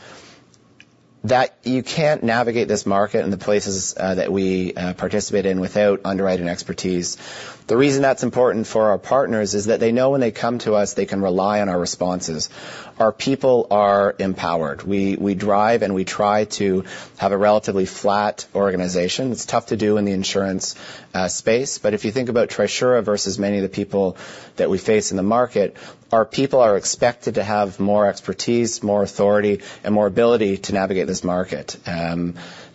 That you can't navigate this market and the places that we participate in without underwriting expertise. The reason that's important for our partners is that they know when they come to us, they can rely on our responses. Our people are empowered. We drive, and we try to have a relatively flat organization. It's tough to do in the insurance space, but if you think about Trisura versus many of the people that we face in the market, our people are expected to have more expertise, more authority, and more ability to navigate this market.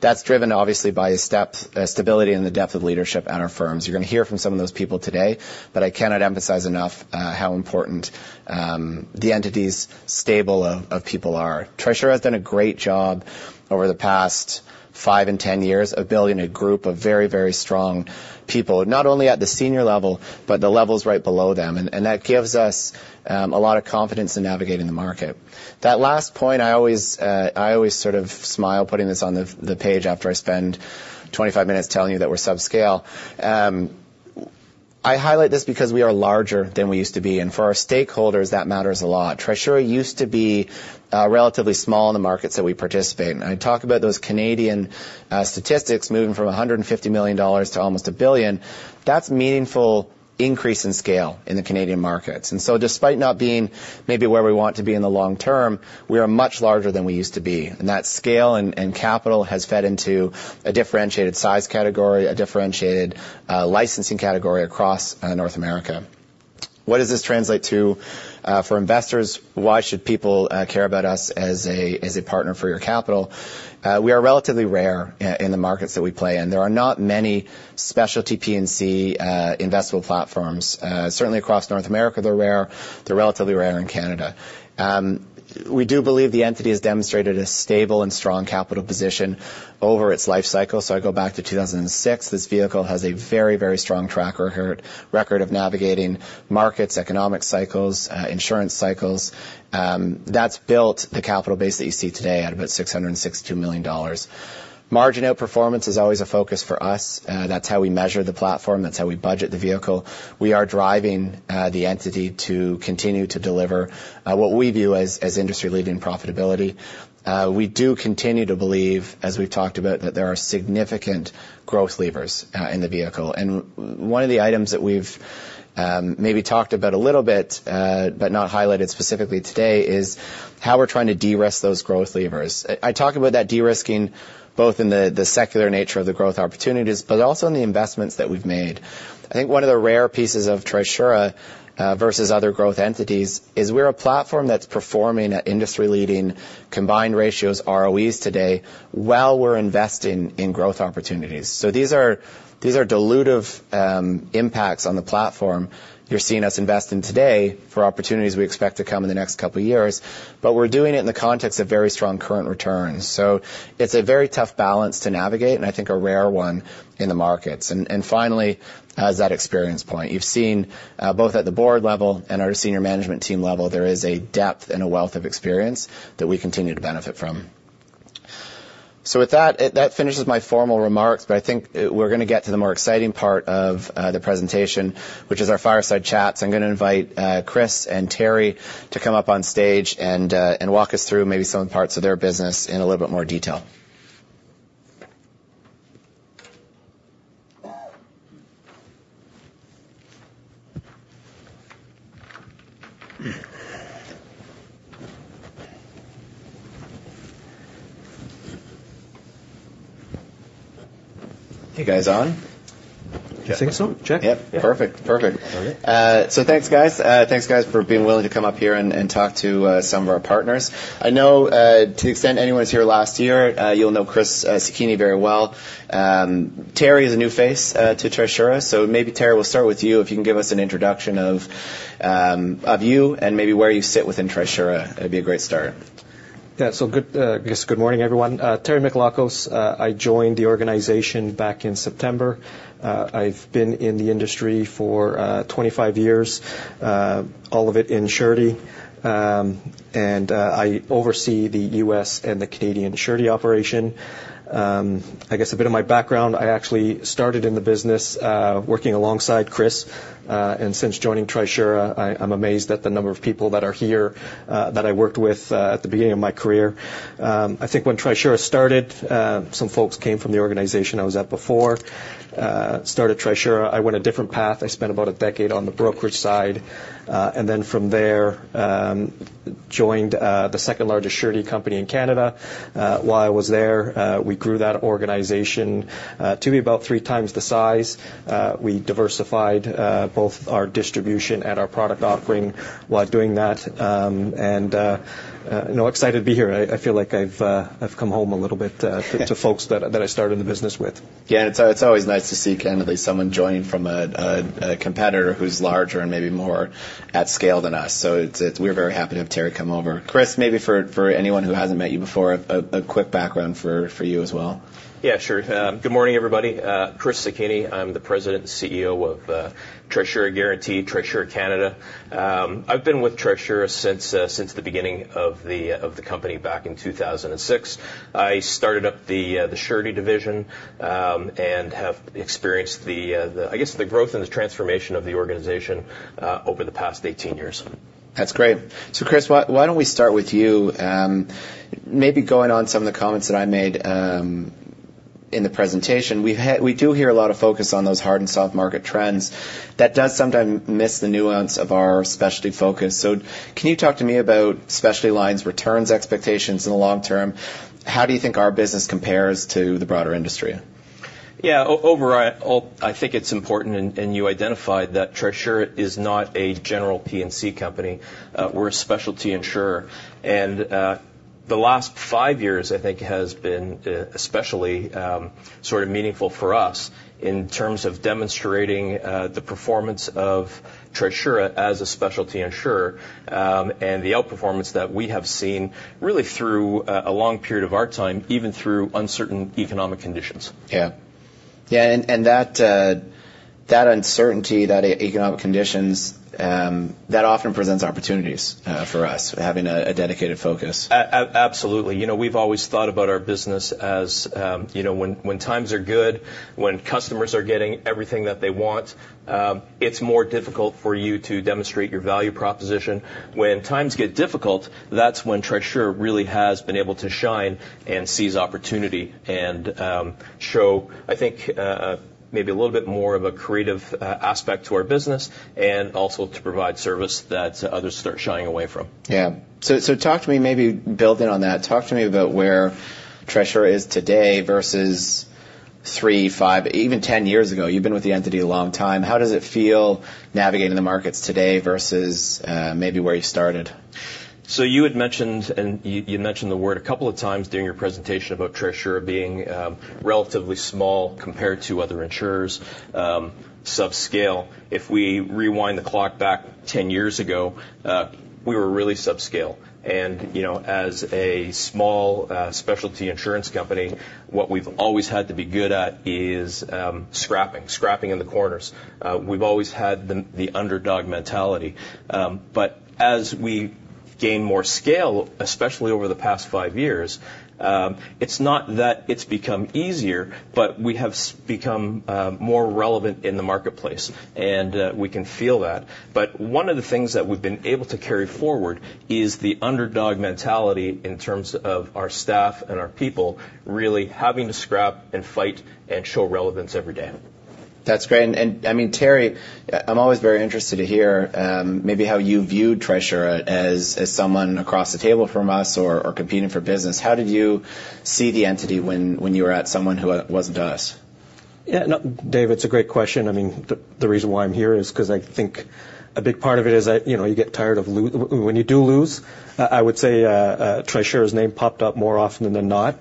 That's driven, obviously, by a step stability and the depth of leadership at our firms. You're gonna hear from some of those people today, but I cannot emphasize enough how important the entity's stable of people are. Trisura has done a great job over the past 5 and 10 years of building a group of very, very strong people, not only at the senior level, but the levels right below them. And that gives us a lot of confidence in navigating the market. That last point, I always sort of smile putting this on the page after I spend 25 minutes telling you that we're subscale. I highlight this because we are larger than we used to be, and for our stakeholders, that matters a lot. Trisura used to be relatively small in the markets that we participate in. I talk about those Canadian statistics moving from 150 million dollars to almost 1 billion. That's meaningful increase in scale in the Canadian markets. And so despite not being maybe where we want to be in the long term, we are much larger than we used to be, and that scale and capital has fed into a differentiated size category, a differentiated licensing category across North America... What does this translate to for investors? Why should people care about us as a partner for your capital? We are relatively rare in the markets that we play in. There are not many specialty P&C investable platforms. Certainly across North America, they're rare, they're relatively rare in Canada. We do believe the entity has demonstrated a stable and strong capital position over its life cycle. So I go back to 2006. This vehicle has a very, very strong track record, record of navigating markets, economic cycles, insurance cycles. That's built the capital base that you see today at about 662 million dollars. Margin outperformance is always a focus for us. That's how we measure the platform, that's how we budget the vehicle. We are driving the entity to continue to deliver what we view as, as industry-leading profitability. We do continue to believe, as we've talked about, that there are significant growth levers in the vehicle. And one of the items that we've maybe talked about a little bit, but not highlighted specifically today, is how we're trying to de-risk those growth levers. I talked about that de-risking both in the secular nature of the growth opportunities, but also in the investments that we've made. I think one of the rare pieces of Trisura versus other growth entities is we're a platform that's performing at industry-leading combined ratios ROEs today, while we're investing in growth opportunities. So these are dilutive impacts on the platform you're seeing us invest in today for opportunities we expect to come in the next couple of years, but we're doing it in the context of very strong current returns. So it's a very tough balance to navigate, and I think a rare one in the markets. And finally, as that experience point, you've seen both at the board level and our senior management team level, there is a depth and a wealth of experience that we continue to benefit from. So with that, that finishes my formal remarks, but I think we're going to get to the more exciting part of the presentation, which is our fireside chats. I'm going to invite Chris and Terry to come up on stage and walk us through maybe some parts of their business in a little bit more detail. You guys on? I think so. Check. Yep. Perfect. Perfect. All right. So thanks, guys. Thanks, guys, for being willing to come up here and talk to some of our partners. I know, to the extent anyone was here last year, you'll know Chris Sekine very well. Terry is a new face to Trisura, so maybe, Terry, we'll start with you. If you can give us an introduction of you and maybe where you sit within Trisura, that'd be a great start. Yeah. So, good morning, everyone. I guess, good morning, everyone. Terry Michalakos, I joined the organization back in September. I've been in the industry for 25 years, all of it in Surety. And I oversee the U.S. and the Canadian Surety operation. I guess a bit of my background, I actually started in the business, working alongside Chris, and since joining Trisura, I'm amazed at the number of people that are here, that I worked with, at the beginning of my career. I think when Trisura started, some folks came from the organization I was at before, started Trisura. I went a different path. I spent about a decade on the brokerage side, and then from there, joined the second-largest surety company in Canada. While I was there, we grew that organization to be about three times the size. We diversified both our distribution and our product offering while doing that. You know, excited to be here. I feel like I've come home a little bit to folks that I started in the business with. Yeah, and it's always nice to see, kind of at least someone joining from a competitor who's larger and maybe more at scale than us. So it's-- we're very happy to have Terry come over. Chris, maybe for anyone who hasn't met you before, a quick background for you as well. Yeah, sure. Good morning, everybody. Chris Sekine, I'm the President and CEO of Trisura Guarantee, Trisura Canada. I've been with Trisura since the beginning of the company back in 2006. I started up the Surety division, and have experienced the, I guess, the growth and the transformation of the organization over the past 18 years. That's great. So, Chris, why, why don't we start with you? Maybe going on some of the comments that I made, in the presentation. We've had—we do hear a lot of focus on those hard and soft market trends. That does sometimes miss the nuance of our specialty focus. So can you talk to me about specialty lines, returns, expectations in the long term? How do you think our business compares to the broader industry? Yeah, I think it's important, and you identified that Trisura is not a general P&C company. We're a specialty insurer, and the last five years, I think, has been especially sort of meaningful for us in terms of demonstrating the performance of Trisura as a specialty insurer, and the outperformance that we have seen really through a long period of our time, even through uncertain economic conditions. Yeah. Yeah, and that uncertainty, that economic conditions that often presents opportunities for us, having a dedicated focus. Absolutely. You know, we've always thought about our business as, you know, when times are good, when customers are getting everything that they want, it's more difficult for you to demonstrate your value proposition. When times get difficult, that's when Trisura really has been able to shine and seize opportunity and, show, I think, maybe a little bit more of a creative aspect to our business, and also to provide service that others start shying away from. Yeah. So, talk to me, maybe building on that, talk to me about where Trisura is today versus... 3, 5, even 10 years ago. You've been with the entity a long time. How does it feel navigating the markets today versus, maybe where you started? So you had mentioned, and you mentioned the word a couple of times during your presentation about Trisura being relatively small compared to other insurers, subscale. If we rewind the clock back 10 years ago, we were really subscale. And, you know, as a small specialty insurance company, what we've always had to be good at is scrapping, scrapping in the corners. We've always had the underdog mentality. But as we gain more scale, especially over the past five years, it's not that it's become easier, but we have become more relevant in the marketplace, and we can feel that. But one of the things that we've been able to carry forward is the underdog mentality in terms of our staff and our people really having to scrap and fight and show relevance every day. That's great. And, I mean, Terry, I'm always very interested to hear maybe how you viewed Trisura as someone across the table from us or competing for business. How did you see the entity when you were at someone who wasn't us? Yeah, no, Dave, it's a great question. I mean, the reason why I'm here is 'cause I think a big part of it is that, you know, you get tired of when you do lose, I would say, Trisura's name popped up more often than not,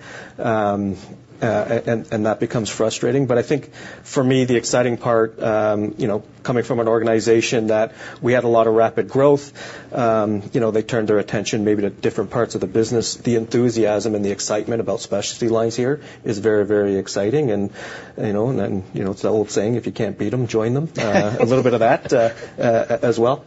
and that becomes frustrating. But I think for me, the exciting part, you know, coming from an organization that we had a lot of rapid growth, you know, they turned their attention maybe to different parts of the business. The enthusiasm and the excitement about specialty lines here is very, very exciting and, you know, and then, you know, it's the old saying, "If you can't beat them, join them." A little bit of that, as well.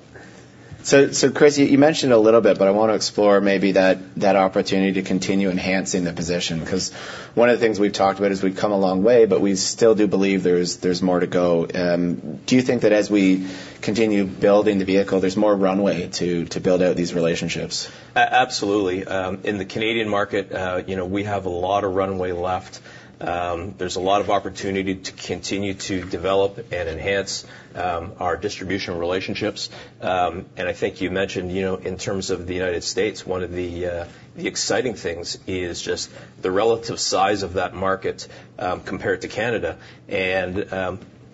So, so Chris, you mentioned a little bit, but I wanna explore maybe that, that opportunity to continue enhancing the position, 'cause one of the things we've talked about is we've come a long way, but we still do believe there's, there's more to go. Do you think that as we continue building the vehicle, there's more runway to, to build out these relationships? Absolutely. In the Canadian market, you know, we have a lot of runway left. There's a lot of opportunity to continue to develop and enhance our distribution relationships. And I think you mentioned, you know, in terms of the United States, one of the exciting things is just the relative size of that market compared to Canada. And,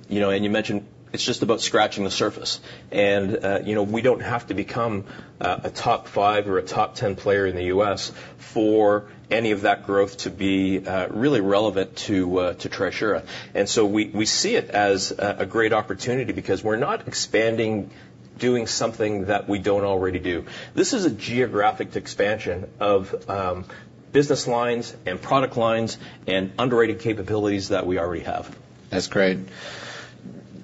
you know, and you mentioned it's just about scratching the surface. And, you know, we don't have to become a top five or a top ten player in the U.S. for any of that growth to be really relevant to Trisura. And so we see it as a great opportunity because we're not expanding, doing something that we don't already do. This is a geographic expansion of, business lines and product lines and underrated capabilities that we already have. That's great.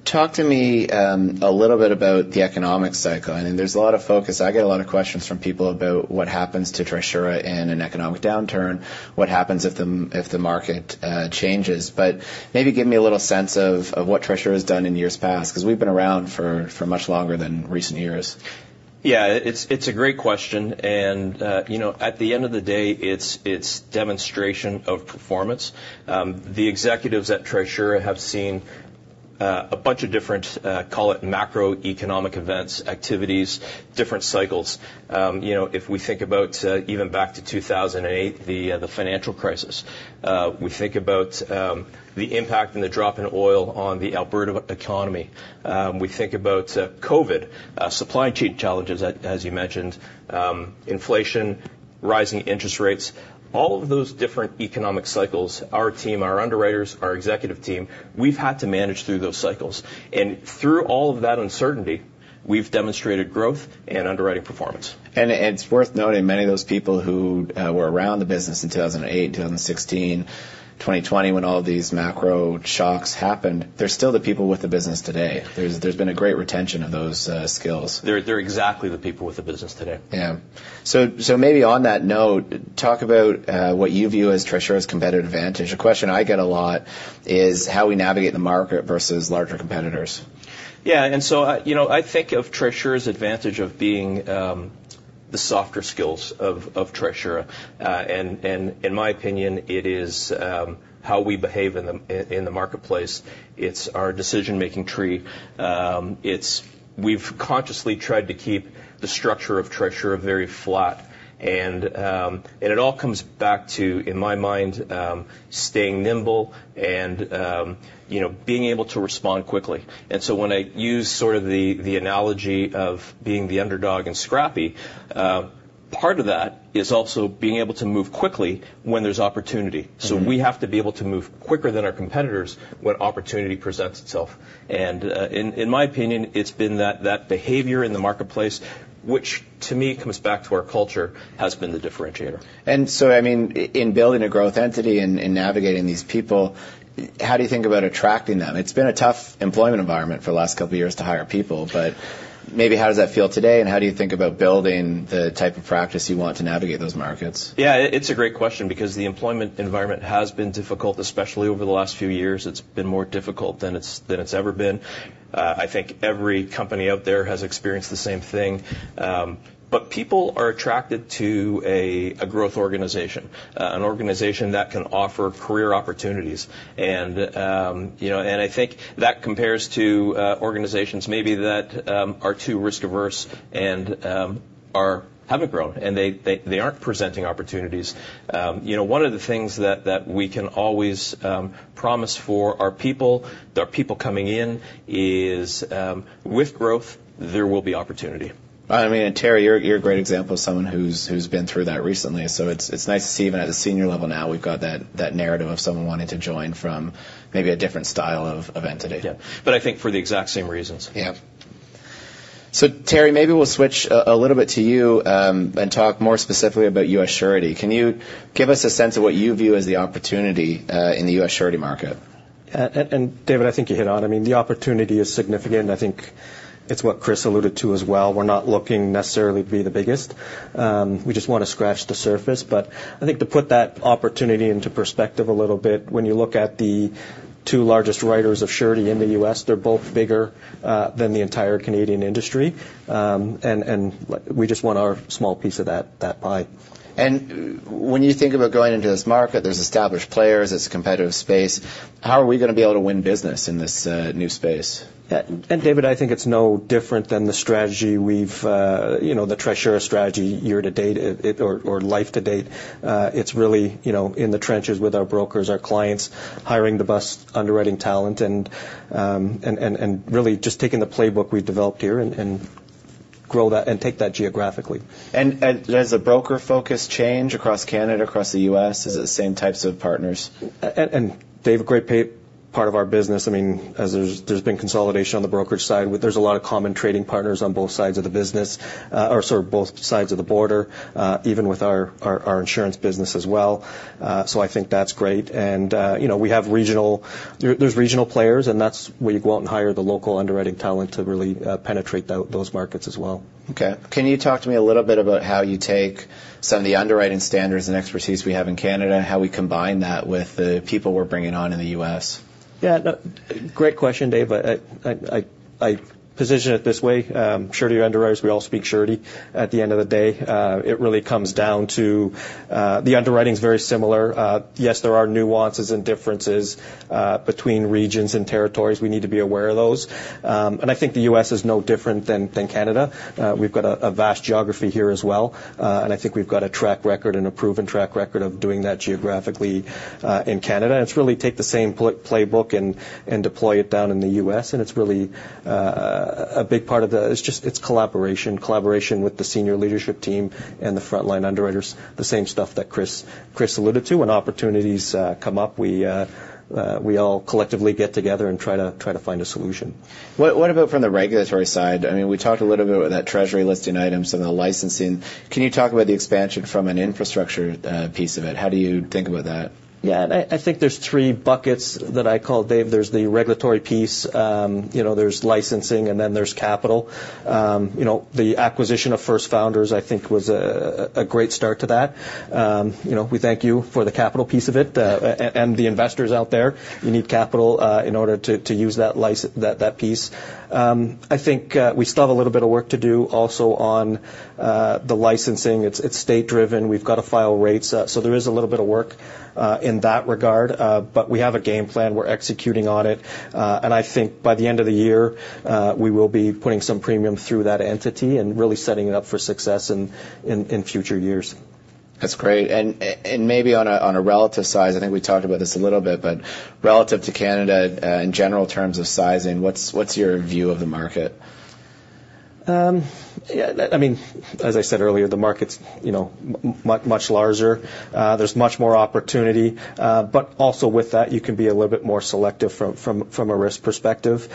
Talk to me a little bit about the economic cycle. I mean, there's a lot of focus. I get a lot of questions from people about what happens to Trisura in an economic downturn, what happens if the, if the market changes, but maybe give me a little sense of what Trisura has done in years past, 'cause we've been around for much longer than recent years. Yeah, it's, it's a great question, and, you know, at the end of the day, it's, it's demonstration of performance. The executives at Trisura have seen, a bunch of different, call it macroeconomic events, activities, different cycles. You know, if we think about, even back to 2008, the, the financial crisis, we think about, the impact and the drop in oil on the Alberta economy, we think about, COVID, supply chain challenges, as, as you mentioned, inflation, rising interest rates. All of those different economic cycles, our team, our underwriters, our executive team, we've had to manage through those cycles. And through all of that uncertainty, we've demonstrated growth and underwriting performance. It's worth noting, many of those people who were around the business in 2008, 2016, 2020, when all these macro shocks happened, they're still the people with the business today. There's been a great retention of those skills. They're exactly the people with the business today. Yeah. So, maybe on that note, talk about what you view as Trisura's competitive advantage. A question I get a lot is how we navigate the market versus larger competitors. Yeah, and so, I, you know, I think of Trisura's advantage of being the softer skills of Trisura. And, and in my opinion, it is how we behave in the marketplace. It's our decision-making tree. It's we've consciously tried to keep the structure of Trisura very flat, and, and it all comes back to, in my mind, staying nimble and, you know, being able to respond quickly. And so when I use sort of the, the analogy of being the underdog and scrappy, part of that is also being able to move quickly when there's opportunity. Mm-hmm. So we have to be able to move quicker than our competitors when opportunity presents itself. And, in my opinion, it's been that behavior in the marketplace, which to me comes back to our culture, has been the differentiator. And so, I mean, in building a growth entity and navigating these people, how do you think about attracting them? It's been a tough employment environment for the last couple of years to hire people, but maybe how does that feel today, and how do you think about building the type of practice you want to navigate those markets? Yeah, it's a great question because the employment environment has been difficult, especially over the last few years. It's been more difficult than it's ever been. I think every company out there has experienced the same thing. But people are attracted to a growth organization, an organization that can offer career opportunities. And, you know, I think that compares to organizations maybe that are too risk-averse and haven't grown, and they aren't presenting opportunities. You know, one of the things that we can always promise for our people, the people coming in, is with growth, there will be opportunity. I mean, and Terry, you're, you're a great example of someone who's, who's been through that recently, so it's, it's nice to see, even at a senior level now, we've got that, that narrative of someone wanting to join from maybe a different style of, of entity. Yeah. But I think for the exact same reasons. Yeah. So, Terry, maybe we'll switch a little bit to you and talk more specifically about U.S. Surety. Can you give us a sense of what you view as the opportunity in the U.S. Surety market? And David, I think you hit on it. I mean, the opportunity is significant, and I think it's what Chris alluded to as well. We're not looking necessarily to be the biggest. We just wanna scratch the surface. But I think to put that opportunity into perspective a little bit, when you look at the two largest writers of Surety in the U.S., they're both bigger than the entire Canadian industry. And we just want our small piece of that pie. When you think about going into this market, there's established players, it's a competitive space. How are we gonna be able to win business in this new space? Yeah. And David, I think it's no different than the strategy we've, you know, the Trisura strategy year to date or life to date. It's really, you know, in the trenches with our brokers, our clients, hiring the best underwriting talent, and really just taking the playbook we've developed here and grow that and take that geographically. Does the broker focus change across Canada, across the US? Is it the same types of partners? David, great part of our business, I mean, as there's been consolidation on the brokerage side, but there's a lot of common trading partners on both sides of the business, or sorry, both sides of the border, even with our insurance business as well. So I think that's great. You know, we have regional players, and that's where you go out and hire the local underwriting talent to really penetrate those markets as well. Okay. Can you talk to me a little bit about how you take some of the underwriting standards and expertise we have in Canada, and how we combine that with the people we're bringing on in the U.S.? Yeah, no, great question, Dave. I position it this way: Surety underwriters, we all speak Surety. At the end of the day, it really comes down to the underwriting is very similar. Yes, there are nuances and differences between regions and territories. We need to be aware of those. And I think the U.S. is no different than Canada. We've got a vast geography here as well, and I think we've got a track record and a proven track record of doing that geographically in Canada. It's really take the same playbook and deploy it down in the U.S., and it's really a big part of it. It's just, it's collaboration. Collaboration with the senior leadership team and the frontline underwriters, the same stuff that Chris alluded to. When opportunities come up, we all collectively get together and try to find a solution. What, what about from the regulatory side? I mean, we talked a little bit about that Treasury Listing item, so the licensing. Can you talk about the expansion from an infrastructure piece of it? How do you think about that? Yeah, I think there's three buckets that I call, Dave. There's the regulatory piece, you know, there's licensing, and then there's capital. You know, the acquisition of First Founders, I think was a great start to that. You know, we thank you for the capital piece of it, and the investors out there. You need capital, in order to use that piece. I think, we still have a little bit of work to do also on the licensing. It's state-driven. We've got to file rates, so there is a little bit of work in that regard, but we have a game plan. We're executing on it. I think by the end of the year, we will be putting some premium through that entity and really setting it up for success in future years. That's great. And, maybe on a relative size, I think we talked about this a little bit, but relative to Canada, in general terms of sizing, what's your view of the market? Yeah, I mean, as I said earlier, the market's, you know, much larger. There's much more opportunity, but also with that, you can be a little bit more selective from a risk perspective.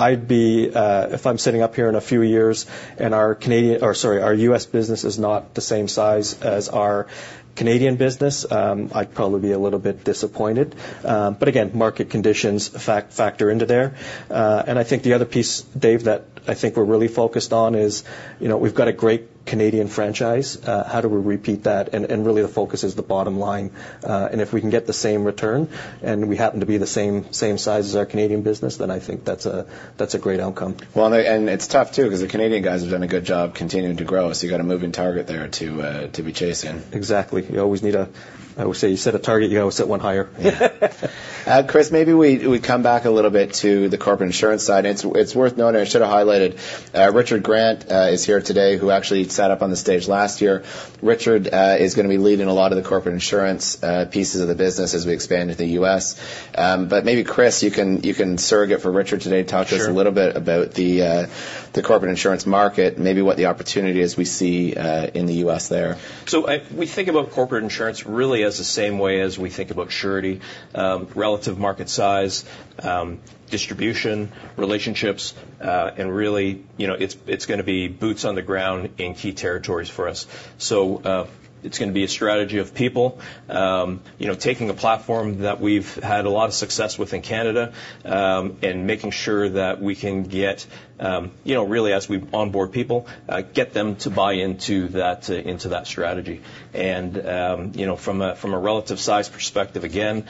I'd be, if I'm sitting up here in a few years and our Canadian—or sorry, our U.S. business is not the same size as our Canadian business, I'd probably be a little bit disappointed. But again, market conditions factor into there. And I think the other piece, Dave, that I think we're really focused on is, you know, we've got a great Canadian franchise. How do we repeat that? And really the focus is the bottom line. And if we can get the same return, and we happen to be the same size as our Canadian business, then I think that's a great outcome. Well, it's tough, too, because the Canadian guys have done a good job continuing to grow. You got a moving target there to be chasing. Exactly. You always need a... I would say you set a target, you gotta set one higher. Chris, maybe we come back a little bit to the corporate insurance side. It's worth noting, I should have highlighted, Richard Grant is here today, who actually sat up on the stage last year. Richard is gonna be leading a lot of the corporate insurance pieces of the business as we expand into the U.S. But maybe, Chris, you can surrogate for Richard today- Sure. And talk to us a little bit about the, the corporate insurance market, maybe what the opportunities we see, in the U.S. there. So we think about Corporate Insurance really as the same way as we think about Surety: relative market size, distribution, relationships, and really, you know, it's, it's gonna be boots on the ground in key territories for us. So, it's gonna be a strategy of people, you know, taking a platform that we've had a lot of success with in Canada, and making sure that we can get, you know, really as we onboard people, get them to buy into that, into that strategy. And, you know, from a relative size perspective, again,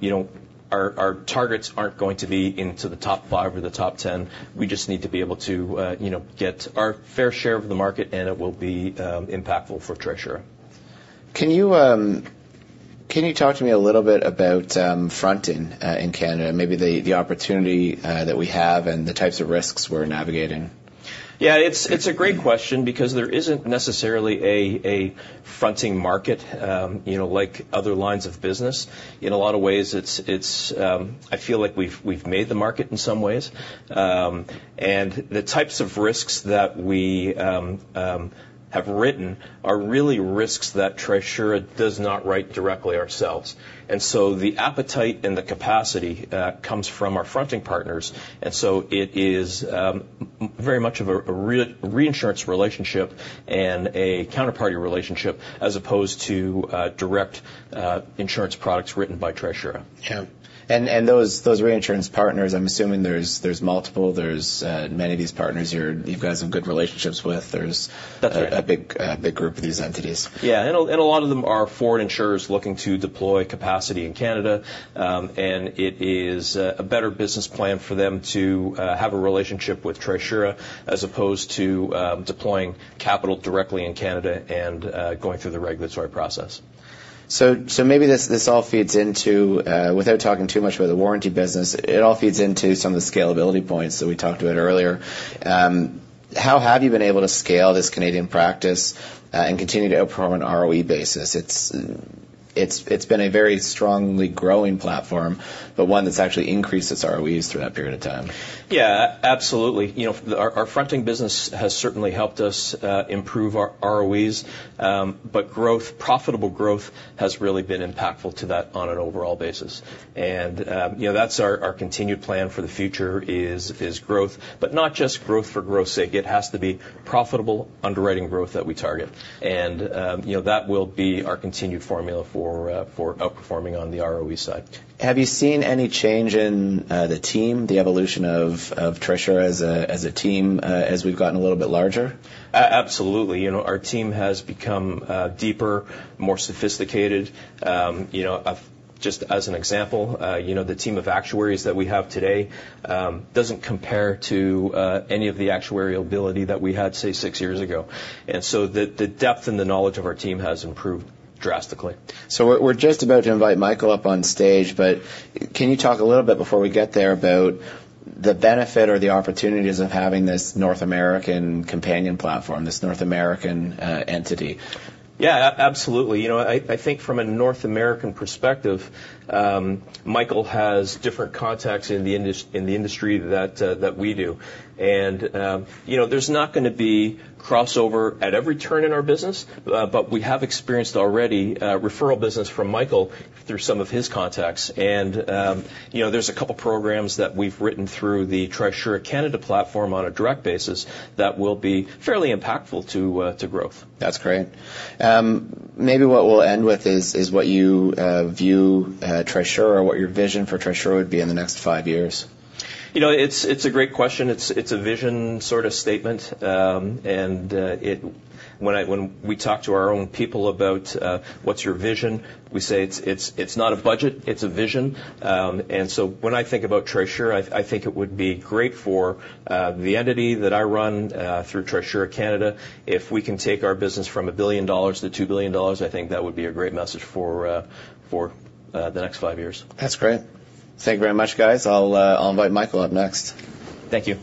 you know, our, our targets aren't going to be into the top five or the top ten. We just need to be able to, you know, get our fair share of the market, and it will be, impactful for Trisura.... Can you talk to me a little bit about fronting in Canada? Maybe the opportunity that we have and the types of risks we're navigating. Yeah, it's a great question because there isn't necessarily a fronting market, you know, like other lines of business. In a lot of ways, it's I feel like we've made the market in some ways. And the types of risks that we have written are really risks that Trisura does not write directly ourselves. And so the appetite and the capacity comes from our fronting partners, and so it is very much of a reinsurance relationship and a counterparty relationship as opposed to direct insurance products written by Trisura. Yeah. And those reinsurance partners, I'm assuming there's multiple, there's many of these partners you've got some good relationships with. There's- That's right. a big group of these entities. Yeah, a lot of them are foreign insurers looking to deploy capacity in Canada. And it is a better business plan for them to have a relationship with Trisura as opposed to deploying capital directly in Canada and going through the regulatory process. So maybe this all feeds into... Without talking too much about the warranty business, it all feeds into some of the scalability points that we talked about earlier. How have you been able to scale this Canadian practice, and continue to outperform an ROE basis? It's been a very strongly growing platform, but one that's actually increased its ROEs through that period of time. Yeah, absolutely. You know, our fronting business has certainly helped us improve our ROEs, but growth—profitable growth, has really been impactful to that on an overall basis. And, you know, that's our continued plan for the future is growth, but not just growth for growth's sake. It has to be profitable underwriting growth that we target. And, you know, that will be our continued formula for outperforming on the ROE side. Have you seen any change in the team, the evolution of Trisura as a team, as we've gotten a little bit larger? Absolutely. You know, our team has become deeper, more sophisticated. You know, I've just as an example, you know, the team of actuaries that we have today doesn't compare to any of the actuarial ability that we had, say, six years ago. And so the depth and the knowledge of our team has improved drastically. So we're just about to invite Michael up on stage, but can you talk a little bit, before we get there, about the benefit or the opportunities of having this North American companion platform, this North American entity? Yeah, absolutely. You know, I think from a North American perspective, Michael has different contacts in the industry than we do. And, you know, there's not gonna be crossover at every turn in our business, but we have experienced already referral business from Michael through some of his contacts. And, you know, there's a couple of programs that we've written through the Trisura Canada platform on a direct basis that will be fairly impactful to growth. That's great. Maybe what we'll end with is what you view Trisura or what your vision for Trisura would be in the next five years. You know, it's a great question. It's a vision sort of statement. When we talk to our own people about what's your vision, we say, "It's not a budget, it's a vision." So when I think about Trisura, I think it would be great for the entity that I run through Trisura Canada, if we can take our business from 1 billion dollars to 2 billion dollars, I think that would be a great message for the next five years. That's great. Thank you very much, guys. I'll, I'll invite Michael up next. Thank you.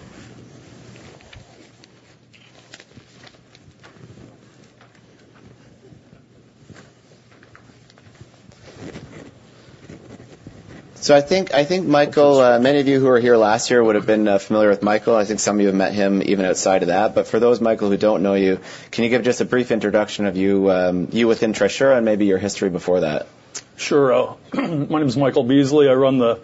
So I think, I think, Michael, many of you who were here last year would have been familiar with Michael. I think some of you have met him even outside of that. But for those, Michael, who don't know you, can you give just a brief introduction of you, you within Trisura and maybe your history before that? Sure. My name is Michael Beasley. I run the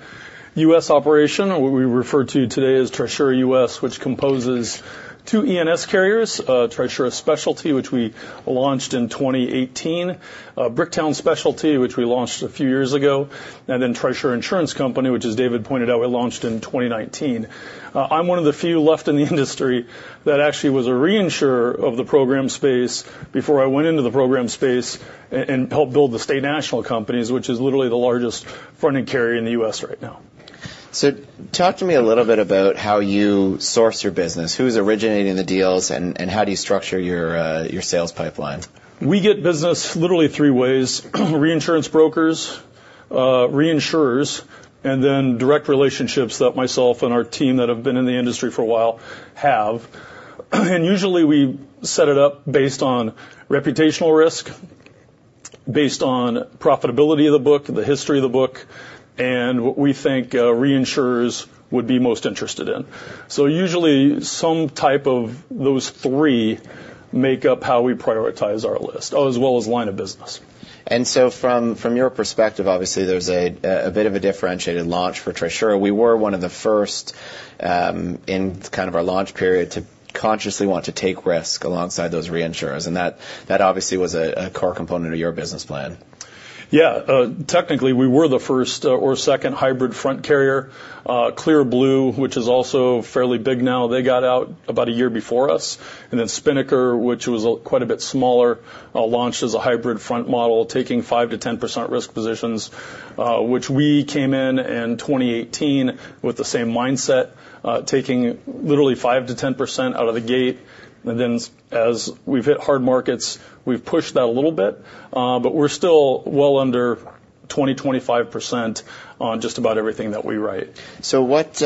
U.S. operation, or what we refer to today as Trisura US, which composes two E&S carriers: Trisura Specialty, which we launched in 2018, Bricktown Specialty, which we launched a few years ago, and then Trisura Insurance Company, which, as David pointed out, we launched in 2019. I'm one of the few left in the industry that actually was a reinsurer of the program space before I went into the program space and helped build the State National Companies, which is literally the largest fronting carrier in the U.S. right now. So talk to me a little bit about how you source your business. Who's originating the deals, and how do you structure your sales pipeline? We get business literally three ways: reinsurance brokers, reinsurers, and then direct relationships that myself and our team that have been in the industry for a while have. And usually, we set it up based on reputational risk, based on profitability of the book, the history of the book, and what we think, reinsurers would be most interested in. So usually, some type of those three make up how we prioritize our list, as well as line of business. And so from your perspective, obviously, there's a bit of a differentiated launch for Trisura. We were one of the first in kind of our launch period, to consciously want to take risk alongside those reinsurers, and that obviously was a core component of your business plan. Yeah, technically, we were the first, or second hybrid fronting carrier. Clear Blue, which is also fairly big now, they got out about a year before us. And then Spinnaker, which was quite a bit smaller, launched as a hybrid fronting model, taking 5%-10% risk positions, which we came in in 2018 with the same mindset, taking literally 5%-10% out of the gate.... And then as we've hit hard markets, we've pushed that a little bit, but we're still well under 20%-25% on just about everything that we write. So, what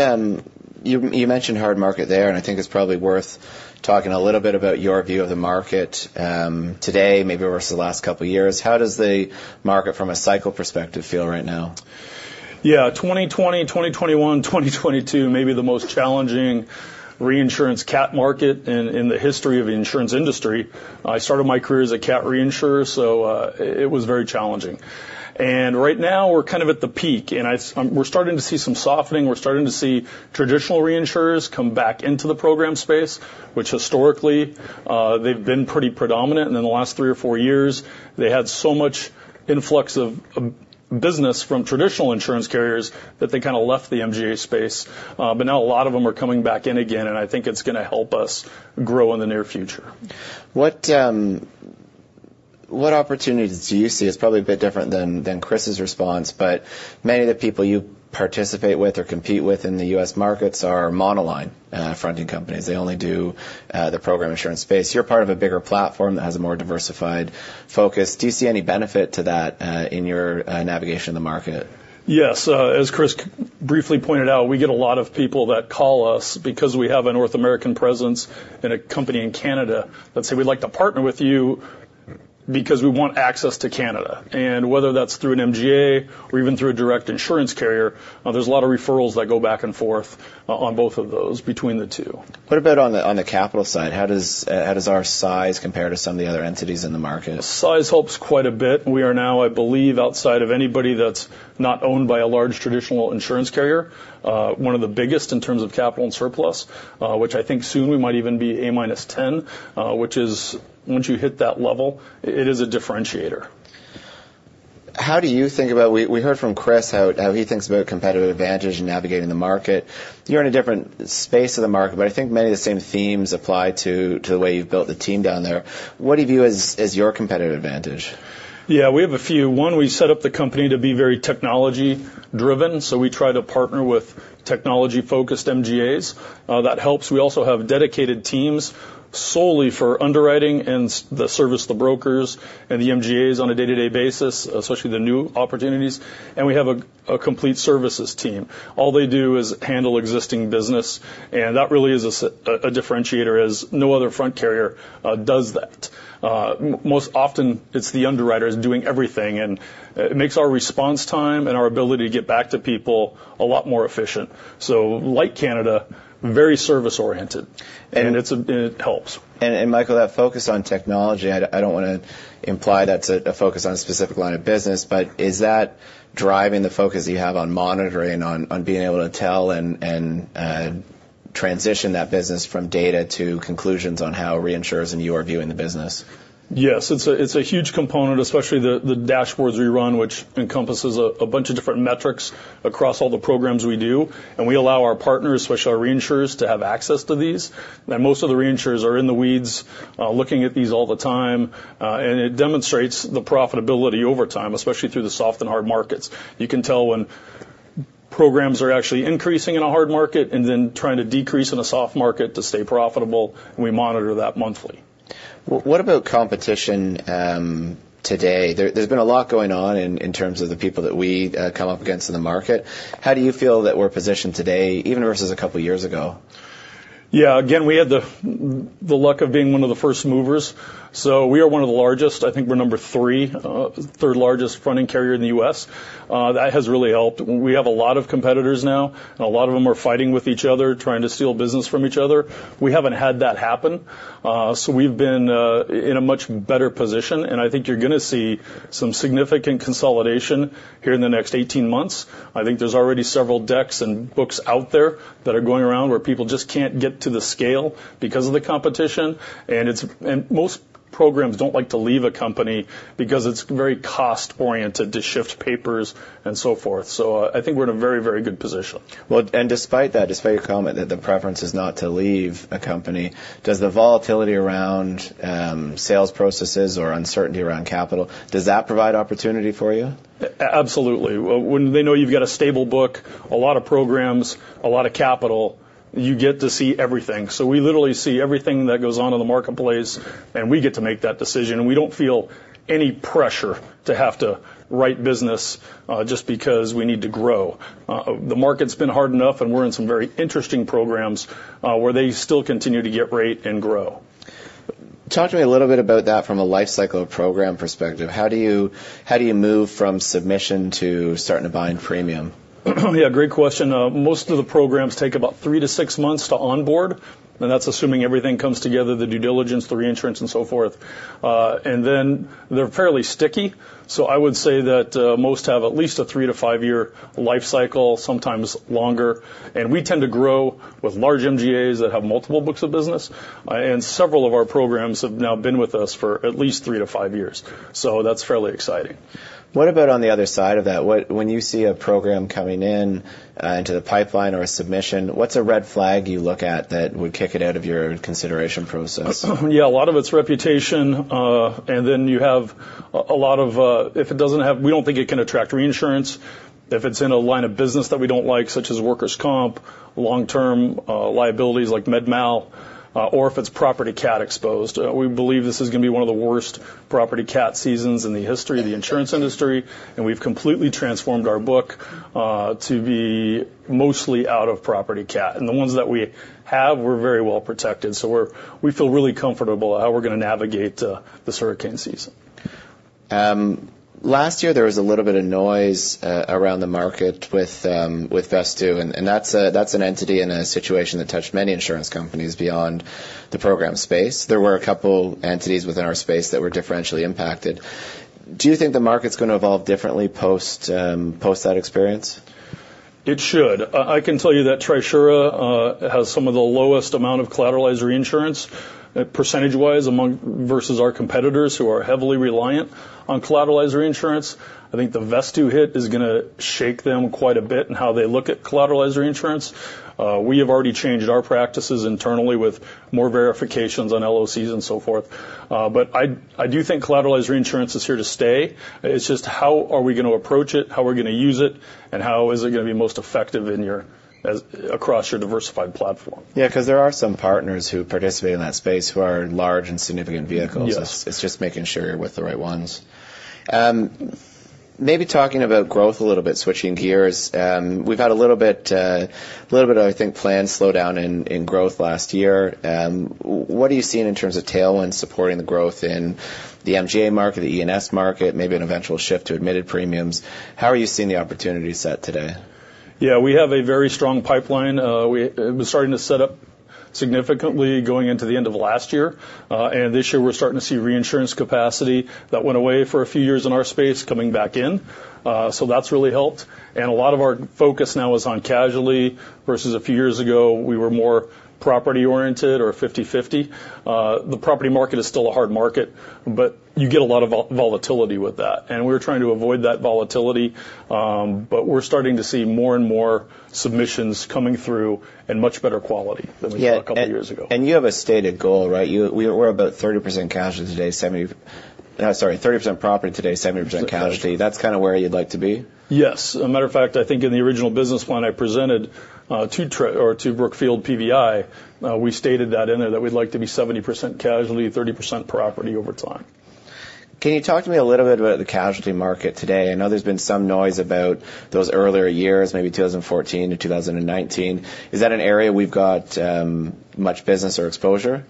you mentioned hard market there, and I think it's probably worth talking a little bit about your view of the market today, maybe over the last couple of years. How does the market, from a cycle perspective, feel right now? Yeah, 2020, 2021, 2022, maybe the most challenging reinsurance cat market in the history of the insurance industry. I started my career as a cat reinsurer, so it was very challenging. And right now, we're kind of at the peak, and we're starting to see some softening. We're starting to see traditional reinsurers come back into the program space, which historically they've been pretty predominant. And in the last three or four years, they had so much influx of business from traditional insurance carriers that they kind of left the MGA space. But now a lot of them are coming back in again, and I think it's going to help us grow in the near future. What, what opportunities do you see? It's probably a bit different than Chris's response, but many of the people you participate with or compete with in the U.S. markets are monoline fronting companies. They only do the program insurance space. You're part of a bigger platform that has a more diversified focus. Do you see any benefit to that in your navigation of the market? Yes. As Chris briefly pointed out, we get a lot of people that call us because we have a North American presence and a company in Canada, that say, "We'd like to partner with you because we want access to Canada." And whether that's through an MGA or even through a direct insurance carrier, there's a lot of referrals that go back and forth on both of those, between the two. What about on the capital side? How does our size compare to some of the other entities in the market? Size helps quite a bit. We are now, I believe, outside of anybody that's not owned by a large traditional insurance carrier, one of the biggest in terms of capital and surplus, which I think soon we might even be A- X, which is, once you hit that level, it is a differentiator. How do you think about... We heard from Chris, how he thinks about competitive advantage and navigating the market. You're in a different space of the market, but I think many of the same themes apply to the way you've built the team down there. What do you view as your competitive advantage? Yeah, we have a few. One, we set up the company to be very technology driven, so we try to partner with technology-focused MGAs. That helps. We also have dedicated teams solely for underwriting and the service, the brokers, and the MGAs on a day-to-day basis, especially the new opportunities. And we have a complete services team. All they do is handle existing business, and that really is a differentiator, as no other front carrier does that. Most often, it's the underwriters doing everything, and it makes our response time and our ability to get back to people a lot more efficient. So like Canada, very service-oriented, and it helps. And Michael, that focus on technology, I don't want to imply that's a focus on a specific line of business, but is that driving the focus you have on monitoring, on being able to tell and transition that business from data to conclusions on how reinsurers and you are viewing the business? Yes, it's a huge component, especially the dashboards we run, which encompasses a bunch of different metrics across all the programs we do, and we allow our partners, especially our reinsurers, to have access to these. And most of the reinsurers are in the weeds, looking at these all the time, and it demonstrates the profitability over time, especially through the soft and hard markets. You can tell when programs are actually increasing in a hard market and then trying to decrease in a soft market to stay profitable, and we monitor that monthly. What about competition today? There's been a lot going on in terms of the people that we come up against in the market. How do you feel that we're positioned today, even versus a couple of years ago? Yeah. Again, we had the luck of being one of the first movers, so we are one of the largest. I think we're number 3, third largest fronting carrier in the U.S. That has really helped. We have a lot of competitors now, and a lot of them are fighting with each other, trying to steal business from each other. We haven't had that happen, so we've been in a much better position, and I think you're going to see some significant consolidation here in the next 18 months. I think there's already several decks and books out there that are going around where people just can't get to the scale because of the competition, and most programs don't like to leave a company because it's very cost-oriented to shift papers and so forth. I think we're in a very, very good position. Well, and despite that, despite your comment that the preference is not to leave a company, does the volatility around sales processes or uncertainty around capital, does that provide opportunity for you? Absolutely. When they know you've got a stable book, a lot of programs, a lot of capital, you get to see everything. So we literally see everything that goes on in the marketplace, and we get to make that decision, and we don't feel any pressure to have to write business just because we need to grow. The market's been hard enough, and we're in some very interesting programs where they still continue to get rate and grow. Talk to me a little bit about that from a lifecycle program perspective. How do you, how do you move from submission to starting to buy in premium? Yeah, great question. Most of the programs take about 3-6 months to onboard, and that's assuming everything comes together, the due diligence, the reinsurance, and so forth. And then they're fairly sticky, so I would say that most have at least a 3-5-year life cycle, sometimes longer. And we tend to grow with large MGAs that have multiple books of business, and several of our programs have now been with us for at least 3-5 years. So that's fairly exciting. What about on the other side of that? What, when you see a program coming in, into the pipeline or a submission, what's a red flag you look at that would kick it out of your consideration process? Yeah, a lot of it's reputation, and then you have a lot of... If it doesn't have—we don't think it can attract reinsurance. If it's in a line of business that we don't like, such as workers' comp—long-term liabilities like med mal, or if it's property cat exposed. We believe this is gonna be one of the worst property cat seasons in the history of the insurance industry, and we've completely transformed our book to be mostly out of property cat. And the ones that we have, we're very well protected, so we're—we feel really comfortable how we're gonna navigate the hurricane season. Last year, there was a little bit of noise around the market with Vestoo, and that's an entity in a situation that touched many insurance companies beyond the program space. There were a couple entities within our space that were differentially impacted. Do you think the market's gonna evolve differently post that experience? It should. I can tell you that Trisura has some of the lowest amount of collateralized reinsurance, percentage-wise, versus our competitors, who are heavily reliant on collateralized reinsurance. I think the Vestoo hit is gonna shake them quite a bit in how they look at collateralized reinsurance. We have already changed our practices internally with more verifications on LOCs and so forth. But I, I do think collateralized reinsurance is here to stay. It's just how are we gonna approach it, how we're gonna use it, and how is it gonna be most effective in your-- as-- across your diversified platform? Yeah, 'cause there are some partners who participate in that space who are large and significant vehicles. Yes. It's just making sure you're with the right ones. Maybe talking about growth a little bit, switching gears. We've had a little bit, I think, planned slowdown in growth last year. What are you seeing in terms of tailwind supporting the growth in the MGA market, the E&S market, maybe an eventual shift to admitted premiums? How are you seeing the opportunity set today? Yeah, we have a very strong pipeline. It was starting to set up significantly going into the end of last year. And this year, we're starting to see reinsurance capacity that went away for a few years in our space, coming back in. So that's really helped. And a lot of our focus now is on casualty, versus a few years ago, we were more property-oriented or 50/50. The property market is still a hard market, but you get a lot of volatility with that, and we're trying to avoid that volatility. But we're starting to see more and more submissions coming through in much better quality than we saw a couple of years ago. Yeah, and, and you have a stated goal, right? You, we're about 30% property today, 70% casualty. Casualty. That's kind of where you'd like to be? Yes. As a matter of fact, I think in the original business plan I presented, to Tri- or to Brookfield PVI, we stated that in there, that we'd like to be 70% casualty, 30% property over time. Can you talk to me a little bit about the casualty market today? I know there's been some noise about those earlier years, maybe 2014-2019. Is that an area we've got much business or exposure?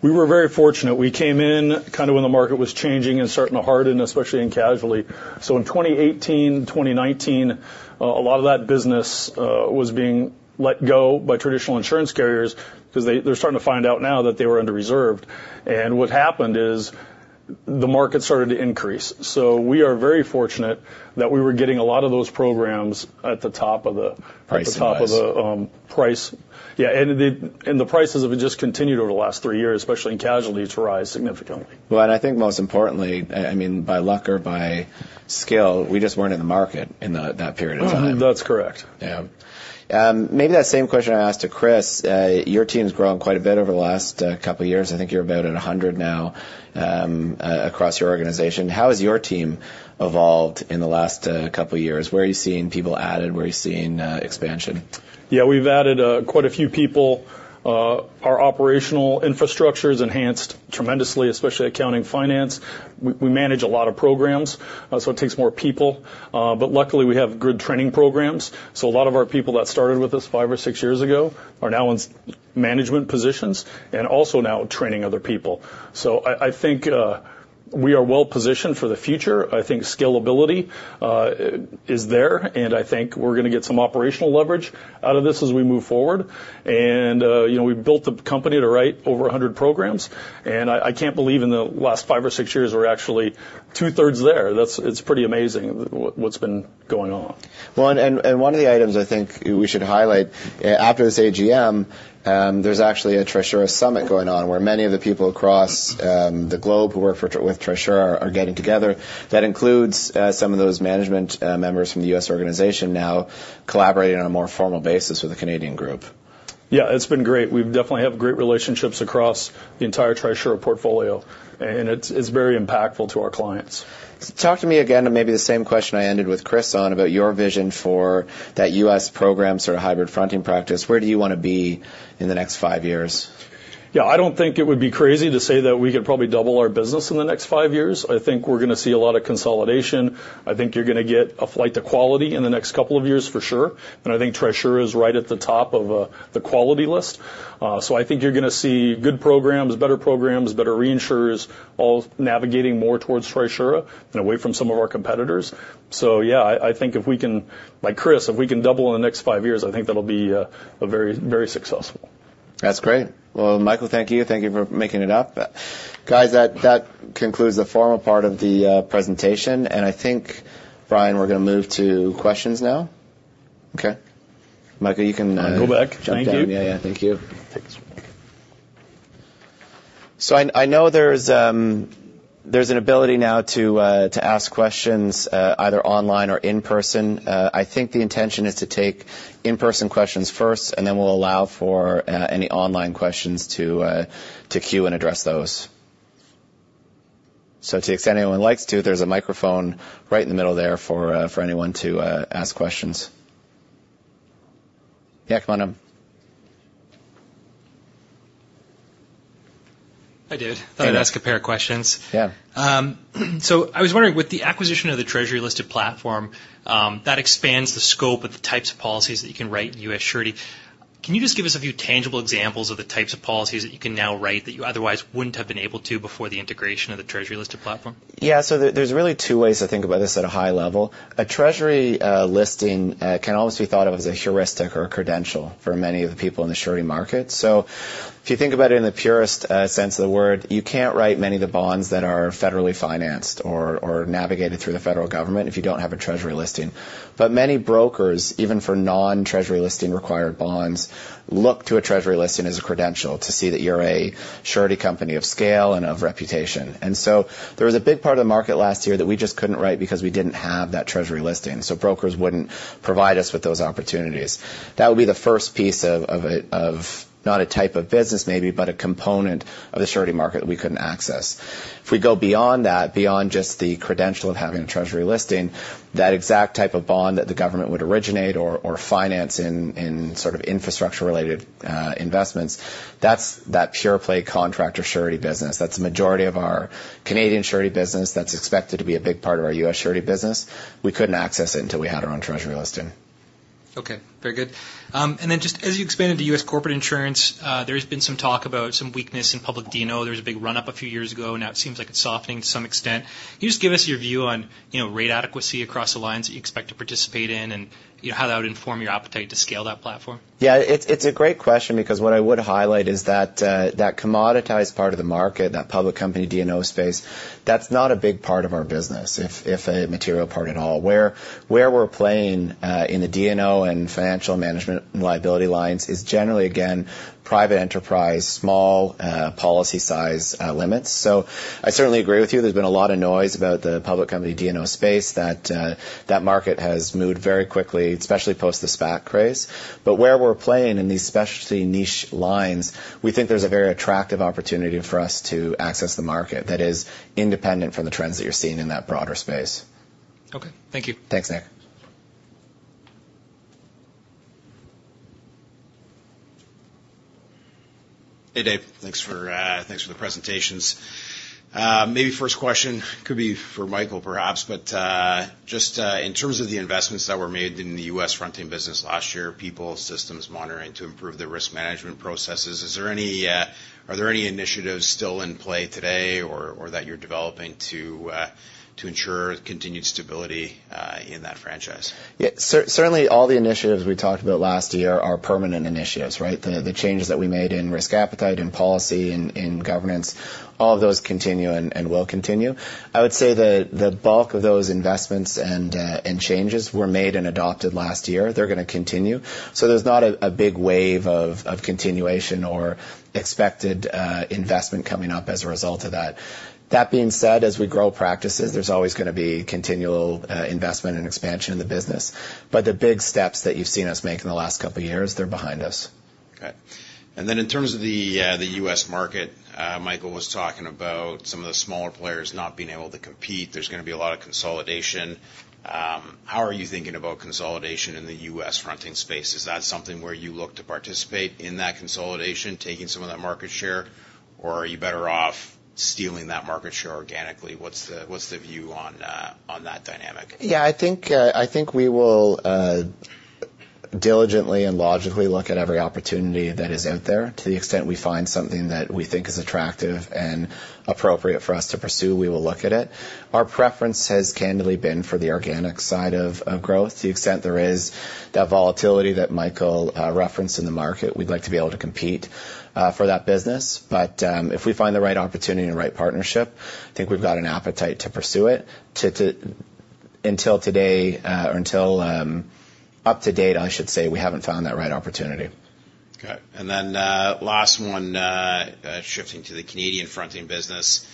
We were very fortunate. We came in kind of when the market was changing and starting to harden, especially in casualty. So in 2018, 2019, a lot of that business was being let go by traditional insurance carriers because they're starting to find out now that they were under-reserved. And what happened is the market started to increase. So we are very fortunate that we were getting a lot of those programs at the top of the- Pricing wise. - at the top of the price. Yeah, and the, and the prices have just continued over the last three years, especially in casualties, to rise significantly. Well, and I think most importantly, I mean by luck or by skill, we just weren't in the market in that period of time. Mm-hmm. That's correct. Yeah. Maybe that same question I asked to Chris. Your team's grown quite a bit over the last couple of years. I think you're about at 100 now, across your organization. How has your team evolved in the last couple of years? Where are you seeing people added? Where are you seeing expansion? Yeah, we've added quite a few people. Our operational infrastructure is enhanced tremendously, especially accounting, finance. We manage a lot of programs, so it takes more people. But luckily, we have good training programs, so a lot of our people that started with us 5 or 6 years ago are now in management positions and also now training other people. So I think we are well-positioned for the future. I think scalability is there, and I think we're gonna get some operational leverage out of this as we move forward. And you know, we've built the company to write over 100 programs, and I can't believe in the last 5 or 6 years, we're actually two-thirds there. That's. It's pretty amazing what's been going on. Well, one of the items I think we should highlight, after this AGM, there's actually a Trisura Summit going on, where many of the people across the globe who work with Trisura are getting together. That includes some of those management members from the U.S. organization now collaborating on a more formal basis with the Canadian group. Yeah, it's been great. We've definitely have great relationships across the entire Trisura portfolio, and it's very impactful to our clients. Talk to me again, and maybe the same question I ended with Chris on, about your vision for that US program sort of hybrid fronting practice. Where do you wanna be in the next five years? Yeah, I don't think it would be crazy to say that we could probably double our business in the next five years. I think we're gonna see a lot of consolidation. I think you're gonna get a flight to quality in the next couple of years for sure, and I think Trisura is right at the top of the quality list. So I think you're gonna see good programs, better programs, better reinsurers, all navigating more towards Trisura and away from some of our competitors. So yeah, I, I think if we can... Like Chris, if we can double in the next five years, I think that'll be a very, very successful. That's great. Well, Michael, thank you. Thank you for making it up. Guys, that concludes the formal part of the presentation, and I think, Brian, we're gonna move to questions now. Okay. Michael, you can- Go back. Jump down. Thank you. Yeah, yeah, thank you. Take a seat. So I know there's an ability now to ask questions either online or in person. I think the intention is to take in-person questions first, and then we'll allow for any online questions to queue and address those. So to the extent anyone likes to, there's a microphone right in the middle there for anyone to ask questions. Yeah, come on up. Hi, Dave. Hey, man. I'd ask a pair of questions. Yeah. I was wondering, with the acquisition of the Treasury-listed platform, that expands the scope of the types of policies that you can write in U.S. Surety. Can you just give us a few tangible examples of the types of policies that you can now write that you otherwise wouldn't have been able to before the integration of the Treasury-listed platform? Yeah, so there, there's really two ways to think about this at a high level. A Treasury listing can almost be thought of as a heuristic or a credential for many of the people in the surety market. So if you think about it in the purest sense of the word, you can't write many of the bonds that are federally financed or navigated through the federal government if you don't have a Treasury listing. But many brokers, even for non-Treasury listing required bonds, look to a Treasury listing as a credential to see that you're a surety company of scale and of reputation. And so there was a big part of the market last year that we just couldn't write because we didn't have that Treasury listing, so brokers wouldn't provide us with those opportunities. That would be the first piece of a – of not a type of business, maybe, but a component of the surety market that we couldn't access. If we go beyond that, beyond just the credential of having a Treasury listing, that exact type of bond that the government would originate or finance in sort of infrastructure-related investments, that's that pure play contractor surety business. That's the majority of our Canadian surety business. That's expected to be a big part of our U.S. Surety business. We couldn't access it until we had our own Treasury listing. Okay, very good. And then just as you expanded the U.S. corporate insurance, there's been some talk about some weakness in public D&O. There was a big run up a few years ago, now it seems like it's softening to some extent. Can you just give us your view on, you know, rate adequacy across the lines that you expect to participate in, and, you know, how that would inform your appetite to scale that platform? Yeah, it's a great question because what I would highlight is that that commoditized part of the market, that public company, D&O space, that's not a big part of our business, if a material part at all. Where we're playing in the D&O and financial management liability lines is generally, again, private enterprise, small policy size limits. So I certainly agree with you. There's been a lot of noise about the public company, D&O space, that that market has moved very quickly, especially post the SPAC craze. But where we're playing in these specialty niche lines, we think there's a very attractive opportunity for us to access the market that is independent from the trends that you're seeing in that broader space. Okay, thank you. Thanks, Nick. Hey, Dave. Thanks for the presentations. Maybe first question could be for Michael, perhaps, but just in terms of the investments that were made in the U.S. fronting business last year, people, systems monitoring, to improve the risk management processes, is there any, are there any initiatives still in play today or, or that you're developing to, to ensure continued stability in that franchise? Yeah, certainly, all the initiatives we talked about last year are permanent initiatives, right? The changes that we made in risk appetite, in policy, in governance, all of those continue and will continue. I would say the bulk of those investments and changes were made and adopted last year. They're gonna continue. So there's not a big wave of continuation or expected investment coming up as a result of that. That being said, as we grow practices, there's always gonna be continual investment and expansion in the business. But the big steps that you've seen us make in the last couple of years, they're behind us. Okay. And then in terms of the U.S. market, Michael was talking about some of the smaller players not being able to compete. There's gonna be a lot of consolidation. How are you thinking about consolidation in the U.S. fronting space? Is that something where you look to participate in that consolidation, taking some of that market share, or are you better off stealing that market share organically? What's the view on that dynamic? Yeah, I think, I think we will diligently and logically look at every opportunity that is out there. To the extent we find something that we think is attractive and appropriate for us to pursue, we will look at it. Our preference has candidly been for the organic side of growth. To the extent there is that volatility that Michael referenced in the market, we'd like to be able to compete for that business. But, if we find the right opportunity and the right partnership, I think we've got an appetite to pursue it. Until today, or until, up to date, I should say, we haven't found that right opportunity. Okay. And then, last one, shifting to the Canadian fronting business.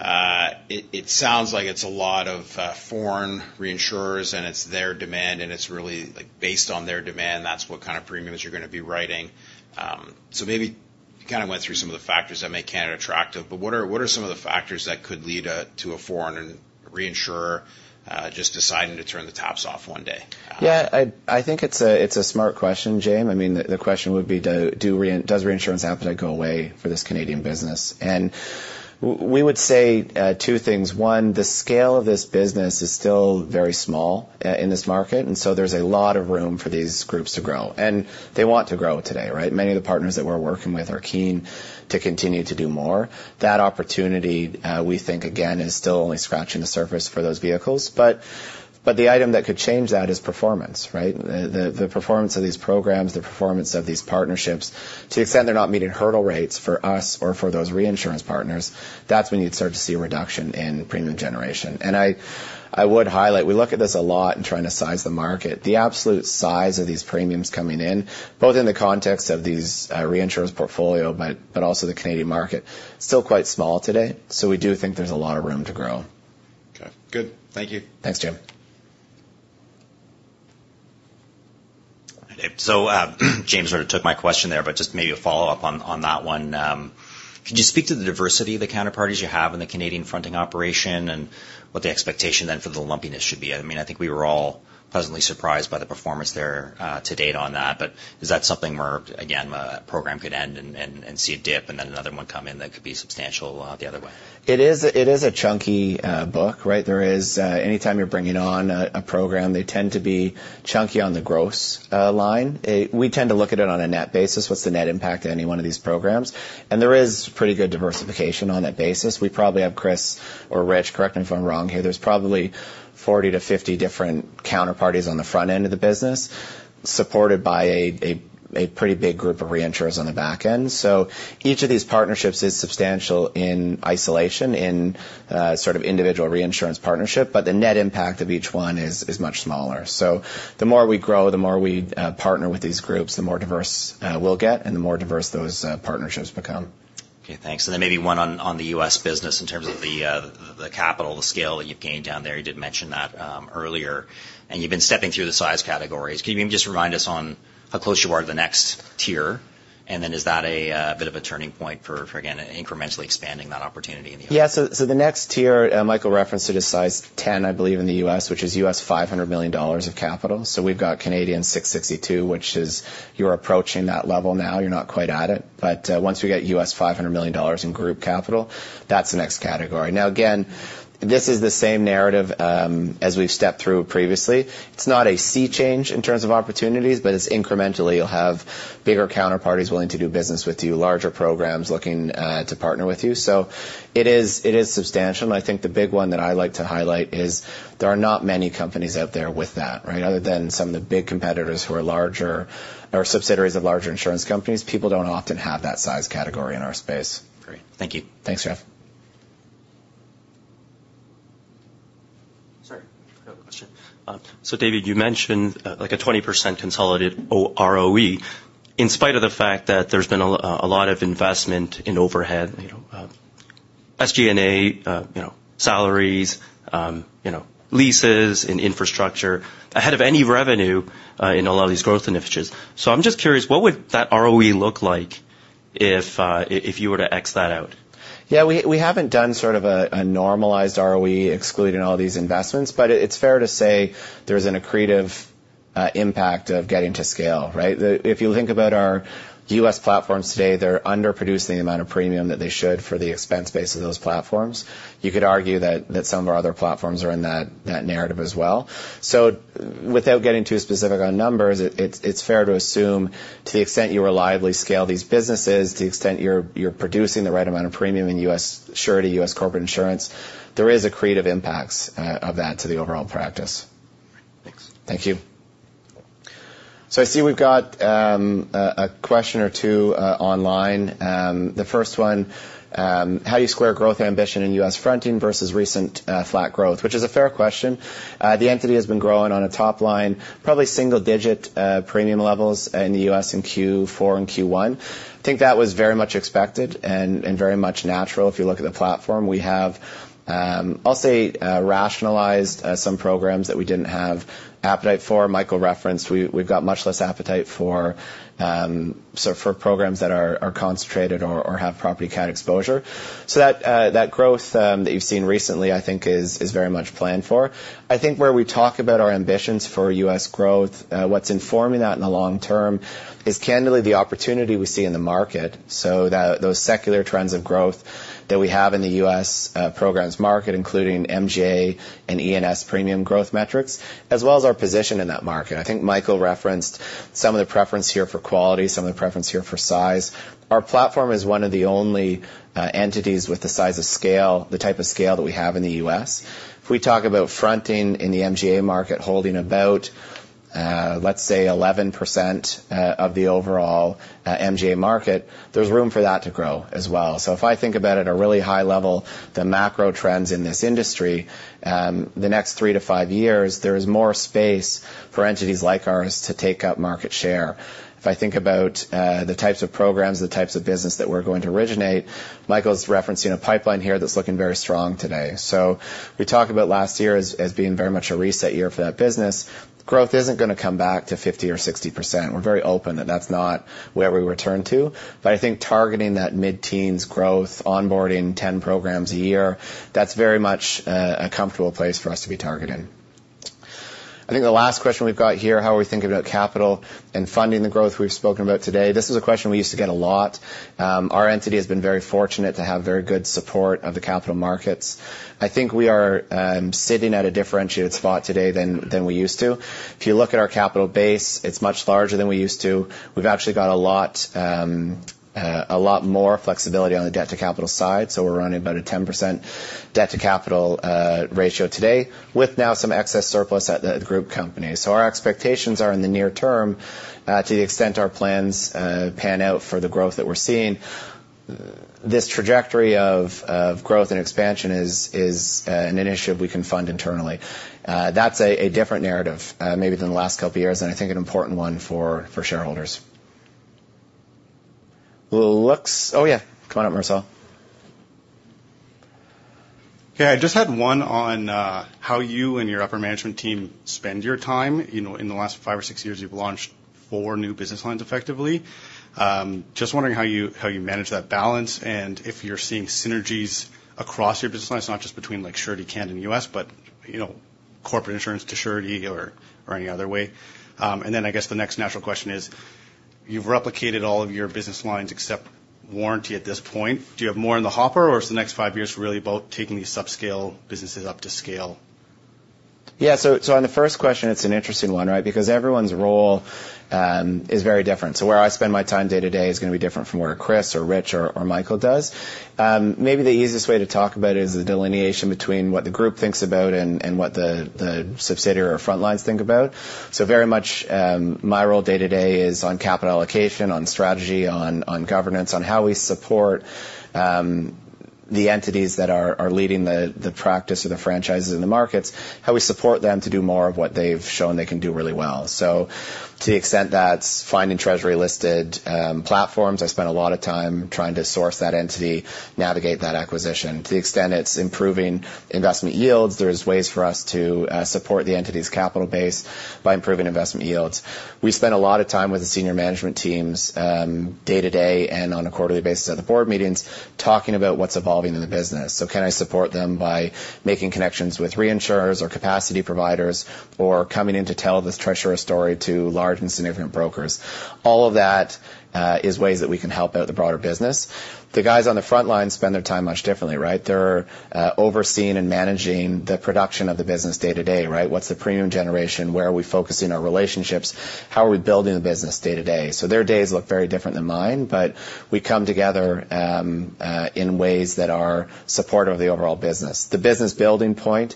It sounds like it's a lot of foreign reinsurers, and it's their demand, and it's really, like, based on their demand, that's what kind of premiums you're gonna be writing. So maybe you kind of went through some of the factors that make Canada attractive, but what are some of the factors that could lead to a foreign reinsurer just deciding to turn the taps off one day? Yeah, I think it's a smart question, James. I mean, the question would be, does reinsurance appetite go away for this Canadian business? And we would say two things. One, the scale of this business is still very small in this market, and so there's a lot of room for these groups to grow, and they want to grow today, right? Many of the partners that we're working with are keen to continue to do more. That opportunity, we think again, is still only scratching the surface for those vehicles. But the item that could change that is performance, right? The performance of these programs, the performance of these partnerships. To the extent they're not meeting hurdle rates for us or for those reinsurance partners, that's when you'd start to see a reduction in premium generation. I would highlight, we look at this a lot in trying to size the market. The absolute size of these premiums coming in, both in the context of these, reinsurance portfolio, but also the Canadian market, still quite small today, so we do think there's a lot of room to grow. Okay, good. Thank you. Thanks, James.... So, James sort of took my question there, but just maybe a follow-up on that one. Could you speak to the diversity of the counterparties you have in the Canadian fronting operation, and what the expectation then for the lumpiness should be? I mean, I think we were all pleasantly surprised by the performance there, to date on that. But is that something where, again, a program could end and see a dip, and then another one come in that could be substantial, the other way? It is, it is a chunky book, right? There is. Anytime you're bringing on a program, they tend to be chunky on the gross line. We tend to look at it on a net basis. What's the net impact to any one of these programs? And there is pretty good diversification on that basis. We probably have Chris or Rich, correct me if I'm wrong here, there's probably 40-50 different counterparties on the front end of the business, supported by a pretty big group of reinsurers on the back end. So each of these partnerships is substantial in isolation, in sort of individual reinsurance partnership, but the net impact of each one is much smaller. So the more we grow, the more we partner with these groups, the more diverse we'll get, and the more diverse those partnerships become. Okay, thanks. And then maybe one on, on the U.S. business in terms of the, the capital, the scale that you've gained down there. You did mention that, earlier, and you've been stepping through the size categories. Can you maybe just remind us on how close you are to the next tier? And then is that a, bit of a turning point for, for, again, incrementally expanding that opportunity in the U.S.? Yeah. So, so the next tier, Michael referenced it, is size 10, I believe, in the U.S., which is $500 million of capital. So we've got 662 million, which is you're approaching that level now, you're not quite at it. But once we get $500 million in group capital, that's the next category. Now, again, this is the same narrative as we've stepped through previously. It's not a sea change in terms of opportunities, but it's incrementally you'll have bigger counterparties willing to do business with you, larger programs looking to partner with you. So it is, it is substantial, and I think the big one that I like to highlight is there are not many companies out there with that, right? Other than some of the big competitors who are larger or subsidiaries of larger insurance companies, people don't often have that size category in our space. Great. Thank you. Thanks, Jeff. Sorry, I have a question. So David, you mentioned, like, a 20% consolidated operating ROE in spite of the fact that there's been a lot of investment in overhead, you know, SG&A, you know, salaries, you know, leases and infrastructure ahead of any revenue in a lot of these growth initiatives. So I'm just curious, what would that ROE look like if you were to X that out? Yeah, we, we haven't done sort of a, a normalized ROE excluding all these investments, but it, it's fair to say there's an accretive impact of getting to scale, right? The, if you think about our U.S. platforms today, they're underproducing the amount of premium that they should for the expense base of those platforms. You could argue that, that some of our other platforms are in that, that narrative as well. So without getting too specific on numbers, it, it's, it's fair to assume, to the extent you reliably scale these businesses, to the extent you're, you're producing the right amount of premium in U.S. Surety, U.S. Corporate Insurance, there is accretive impacts of that to the overall practice. Thanks. Thank you. So I see we've got a question or two online. The first one: How do you square growth ambition in U.S. fronting versus recent flat growth? Which is a fair question. The entity has been growing on a top line, probably single digit premium levels in the U.S. in Q4 and Q1. I think that was very much expected and very much natural. If you look at the platform, we have, I'll say, rationalized some programs that we didn't have appetite for. Michael referenced we, we've got much less appetite for so for programs that are concentrated or have property cat exposure. So that that growth that you've seen recently, I think is very much planned for. I think where we talk about our ambitions for U.S. growth, what's informing that in the long term is candidly the opportunity we see in the market, so those secular trends of growth that we have in the U.S. programs market, including MGA and E&S premium growth metrics, as well as our position in that market. I think Michael referenced some of the preference here for quality, some of the preference here for size. Our platform is one of the only entities with the size of scale, the type of scale that we have in the U.S. If we talk about fronting in the MGA market, holding about, let's say 11%, of the overall MGA market, there's room for that to grow as well. So if I think about at a really high level, the macro trends in this industry, the next 3-5 years, there is more space for entities like ours to take up market share. If I think about the types of programs, the types of business that we're going to originate, Michael's referencing a pipeline here that's looking very strong today. So we talked about last year as being very much a reset year for that business. Growth isn't gonna come back to 50% or 60%. We're very open, and that's not where we return to. But I think targeting that mid-teens growth, onboarding 10 programs a year, that's very much a comfortable place for us to be targeting. I think the last question we've got here, how are we thinking about capital and funding the growth we've spoken about today? This is a question we used to get a lot. Our entity has been very fortunate to have very good support of the capital markets. I think we are sitting at a differentiated spot today than we used to. If you look at our capital base, it's much larger than we used to. We've actually got a lot more flexibility on the debt to capital side, so we're running about a 10% debt to capital ratio today, with now some excess surplus at the group company. So our expectations are in the near term, to the extent our plans pan out for the growth that we're seeing, this trajectory of growth and expansion is an initiative we can fund internally. That's a different narrative, maybe than the last couple of years, and I think an important one for shareholders. Oh, yeah. Come on up, Marcel.... Yeah, I just had one on how you and your upper management team spend your time. You know, in the last five or six years, you've launched four new business lines effectively. Just wondering how you, how you manage that balance, and if you're seeing synergies across your business lines, not just between like Surety Canada and US, but, you know, corporate insurance to Surety or, or any other way. And then I guess the next natural question is, you've replicated all of your business lines except warranty at this point. Do you have more in the hopper, or is the next five years really about taking these subscale businesses up to scale? Yeah, so on the first question, it's an interesting one, right? Because everyone's role is very different. So where I spend my time day-to-day is gonna be different from where Chris or Rich or Michael does. Maybe the easiest way to talk about it is the delineation between what the group thinks about and what the subsidiary or front lines think about. So very much, my role day-to-day is on capital allocation, on strategy, on governance, on how we support the entities that are leading the practice or the franchises in the markets, how we support them to do more of what they've shown they can do really well. So to the extent that's finding Treasury-listed platforms, I spend a lot of time trying to source that entity, navigate that acquisition. To the extent it's improving investment yields, there's ways for us to support the entity's capital base by improving investment yields. We spend a lot of time with the senior management teams, day-to-day and on a quarterly basis at the board meetings, talking about what's evolving in the business. So can I support them by making connections with reinsurers or capacity providers, or coming in to tell this Trisura's story to large and significant brokers? All of that is ways that we can help out the broader business. The guys on the front line spend their time much differently, right? They're overseeing and managing the production of the business day-to-day, right? What's the premium generation? Where are we focusing our relationships? How are we building the business day-to-day? So their days look very different than mine, but we come together in ways that are supportive of the overall business. The business building point,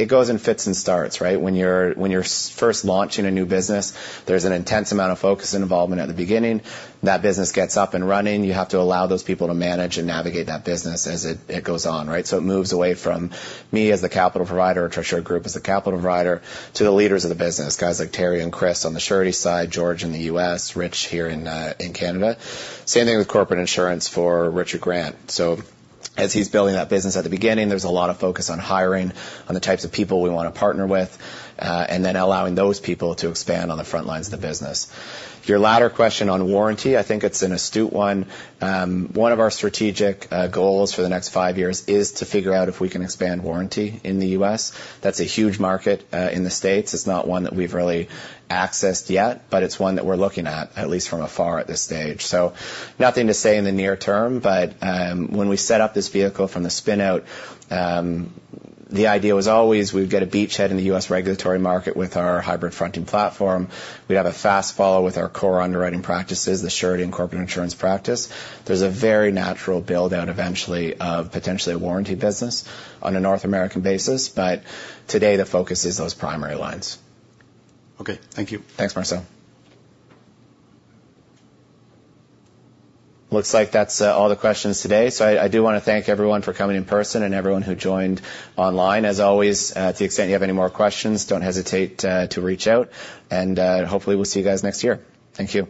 it goes in fits and starts, right? When you're first launching a new business, there's an intense amount of focus and involvement at the beginning. That business gets up and running. You have to allow those people to manage and navigate that business as it goes on, right? So it moves away from me as the capital provider or Trisura Group as the capital provider, to the leaders of the business, guys like Terry and Chris on the Surety side, George in the U.S., Rich here in Canada. Same thing with Corporate Insurance for Richard Grant. So as he's building that business at the beginning, there's a lot of focus on hiring, on the types of people we want to partner with, and then allowing those people to expand on the front lines of the business. Your latter question on warranty, I think it's an astute one. One of our strategic goals for the next five years is to figure out if we can expand warranty in the U.S. That's a huge market, in the States. It's not one that we've really accessed yet, but it's one that we're looking at, at least from afar at this stage. So nothing to say in the near term, but, when we set up this vehicle from the spin out, the idea was always we'd get a beachhead in the U.S. regulatory market with our hybrid fronting platform. We'd have a fast follow with our core underwriting practices, the surety and corporate insurance practice. There's a very natural build-out eventually of potentially a warranty business on a North American basis, but today, the focus is those primary lines. Okay, thank you. Thanks, Marcel. Looks like that's all the questions today. So I do want to thank everyone for coming in person and everyone who joined online. As always, to the extent you have any more questions, don't hesitate to reach out, and hopefully, we'll see you guys next year. Thank you.